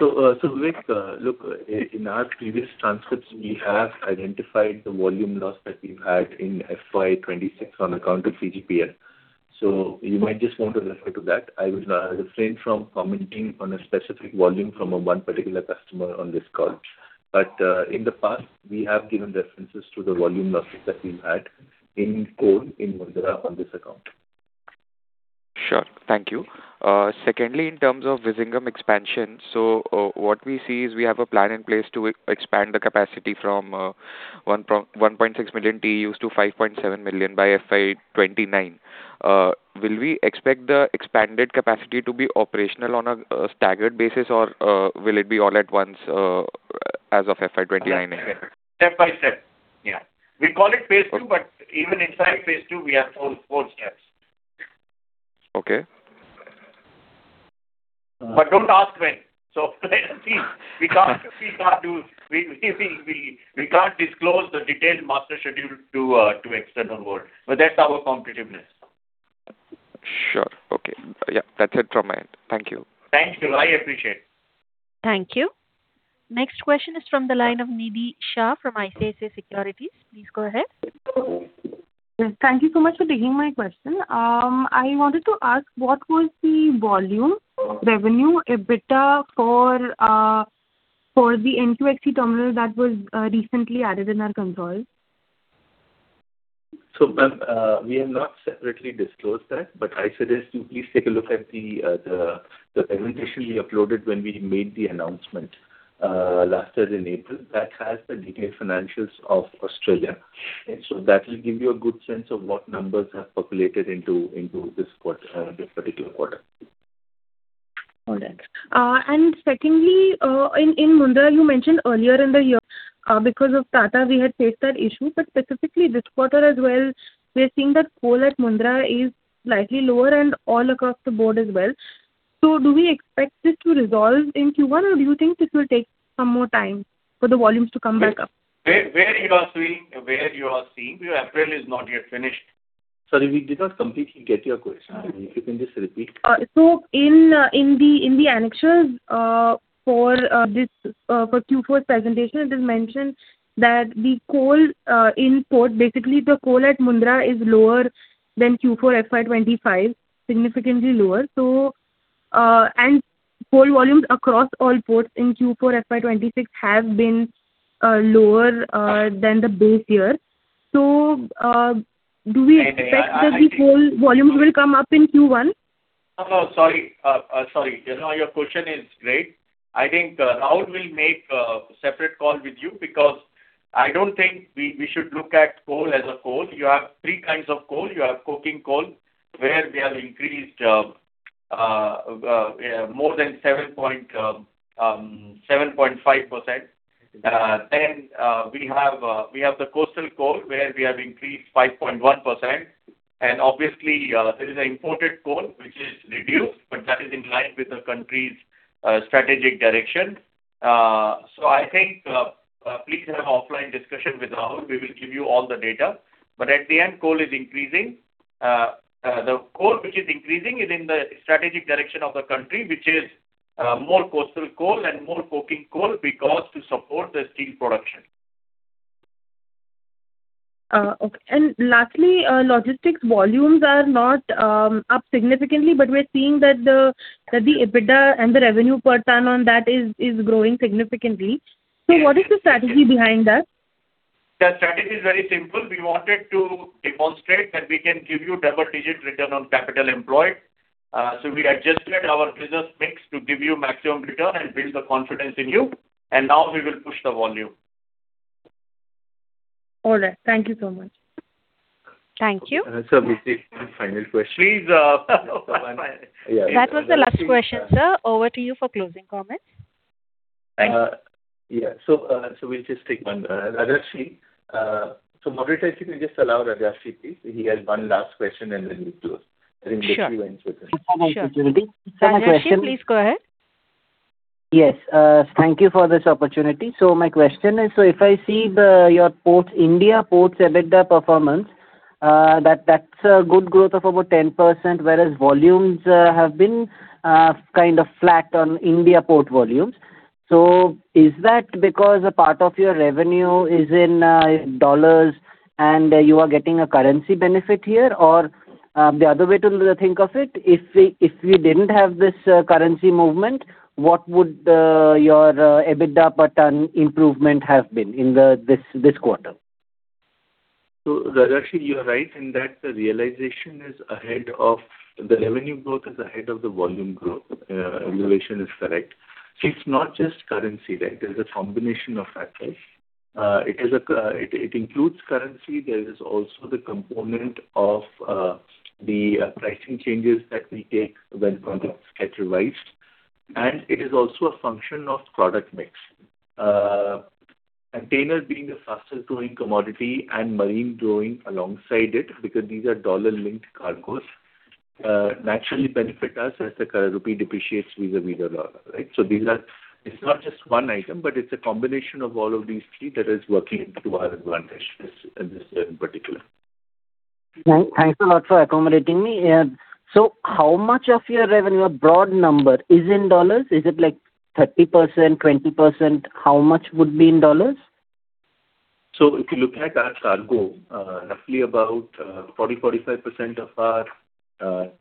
Vivek, look, in our previous transcripts, we have identified the volume loss that we've had in FY 2026 on account of CGPL. You might just want to refer to that. I would refrain from commenting on a specific volume from a one particular customer on this call. In the past, we have given references to the volume losses that we've had in coal in Mundra on this account. Sure. Thank you. Secondly, in terms of Vizag expansion, what we see is we have a plan in place to expand the capacity from 1.6 million TEUs to 5.7 million by FY 2029. Will we expect the expanded capacity to be operational on a staggered basis, or will it be all at once as of FY 2029? Step by step. Yeah. We call it phase II, but even inside phase II we have four steps. Okay. Don't ask when. Please, we can't disclose the detailed master schedule to external world, that's our competitiveness. Sure. Okay. Yeah, that's it from my end. Thank you. Thank you. I appreciate. Thank you. Next question is from the line of Nidhi Shah from ICICI Securities. Please go ahead. Thank you so much for taking my question. I wanted to ask what was the volume, revenue, EBITDA for the NQXT terminal that was recently added in our control? Ma'am, we have not separately disclosed that, but I suggest you please take a look at the presentation we uploaded when we made the announcement last year in April. That has the detailed financials of Australia. That will give you a good sense of what numbers have populated into this quarter, this particular quarter. All right. Secondly, in Mundra, you mentioned earlier in the year, because of Tata we had faced that issue, but specifically this quarter as well, we are seeing that coal at Mundra is slightly lower and all across the board as well. Do we expect this to resolve in Q1, or do you think this will take some more time for the volumes to come back up? Where you are seeing, your April is not yet finished. Sorry, we did not completely get your question. If you can just repeat. In the annexures, in the Q4 presentation, it is mentioned that the coal import, basically the coal at Mundra is lower than Q4 FY 2025, significantly lower. Coal volumes across all ports in Q4 FY 2026 have been lower than the base year. Do we expect that the coal volumes will come up in Q1? No, sorry. Sorry. You know, your question is great. I think Rahul Agarwal will make a separate call with you because I don't think we should look at coal as a coal. You have three kinds of coal. You have coking coal, where we have increased more than 7.5%. We have the coastal coal where we have increased 5.1%. Obviously, there is an imported coal which is reduced, but that is in line with the country's strategic direction. I think please have offline discussion with Rahul Agarwal. We will give you all the data. At the end, coal is increasing. The coal which is increasing is in the strategic direction of the country, which is, more coastal coal and more coking coal because to support the steel production. Okay. Lastly, logistics volumes are not up significantly, but we're seeing that the EBITDA and the revenue per ton on that is growing significantly. What is the strategy behind that? The strategy is very simple. We wanted to demonstrate that we can give you double-digit return on capital employed. We adjusted our business mix to give you maximum return and build the confidence in you. Now we will push the volume. All right. Thank you so much. Thank you. Sir, we take one final question. Please, one final. Yeah. That was the last question, sir. Over to you for closing comments. Thanks. Yeah. So, we'll just take one. Rajarshi. Moderator, if you could just allow Rajarshi, please. He has one last question and then we close. Sure. We'll go into. Sure. Next opportunity. One question. Rajarshi, please go ahead. Yes. Thank you for this opportunity. My question is, if I see your ports, India ports EBITDA performance, that's a good growth of about 10%, whereas volumes have been kind of flat on India port volumes. Is that because a part of your revenue is in dollars and you are getting a currency benefit here? Or the other way to think of it, if we didn't have this currency movement, what would your EBITDA per ton improvement have been in this quarter? Rajarshi, you're right in that the realization is ahead of the revenue growth is ahead of the volume growth. Your observation is correct. It's not just currency, right? There's a combination of factors. It includes currency. There is also the component of the pricing changes that we take when contracts get revised. It is also a function of product mix. Containers being the fastest growing commodity and marine growing alongside it because these are dollar-linked cargoes, naturally benefit us as the rupee depreciates vis-a-vis the dollar, right? It's not just one item, but it's a combination of all of these three that is working to our advantage at this, at this in particular. Thanks a lot for accommodating me. How much of your revenue, broad number, is in dollars? Is it like 30%, 20%? How much would be in dollars? If you look at our cargo, roughly 40-45% of our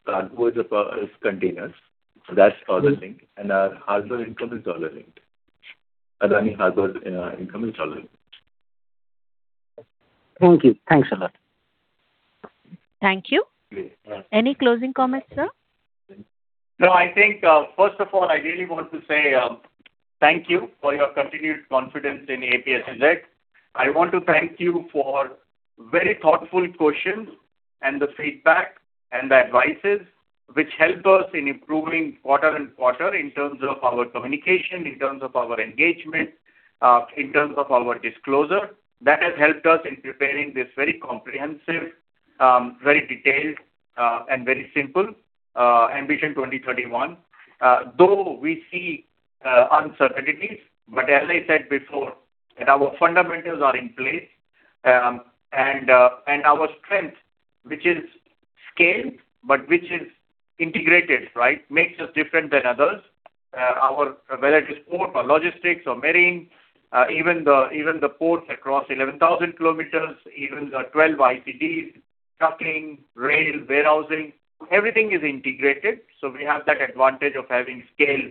cargo is containers. That's dollar-linked. Our harbour income is dollar-linked. Adani Harbour's income is dollar-linked. Thank you. Thanks a lot. Thank you. Great. Any closing comments, sir? First of all, I really want to say, thank you for your continued confidence in APSEZ. I want to thank you for very thoughtful questions and the feedback and the advice which help us in improving quarter and quarter in terms of our communication, in terms of our engagement, in terms of our disclosure. That has helped us in preparing this very comprehensive, very detailed, and very simple, Ambition 2031. Though we see uncertainties, as I said before, our fundamentals are in place. Our strength, which is scale, which is integrated, right, makes us different than others. Our, whether it is port or logistics or marine, even the ports across 11,000 kilometers, even the 12 ICDs, trucking, rail, warehousing, everything is integrated. We have that advantage of having scale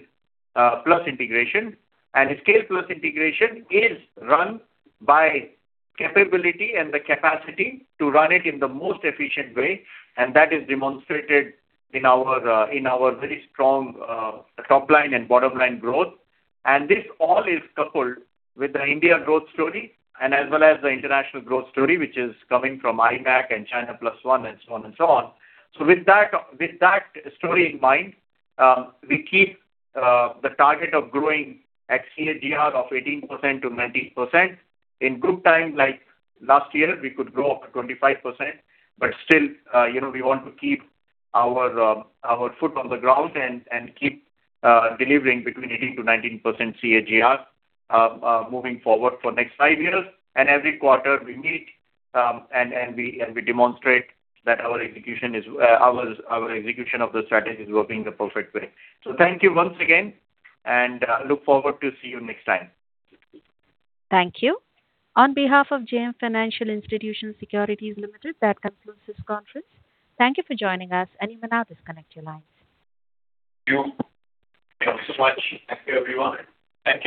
plus integration. Scale plus integration is run by capability and the capacity to run it in the most efficient way, and that is demonstrated in our very strong top line and bottom line growth. This all is coupled with the India growth story and as well as the international growth story, which is coming from IMEC and China Plus One and so on and so on. With that, with that story in mind, we keep the target of growing at CAGR of 18%-19%. In good time, like last year, we could grow up to 25%. Still, you know, we want to keep our foot on the ground and keep delivering between 18%-19% CAGR moving forward for next five years. Every quarter we meet and we demonstrate that our execution is our execution of the strategy is working the perfect way. Thank you once again, and look forward to see you next time. Thank you. On behalf of JM Financial Institutional Securities Limited, that concludes this conference. Thank you for joining us. You may now disconnect your lines. Thank you. Thank you so much. Thank you, everyone. Thank you.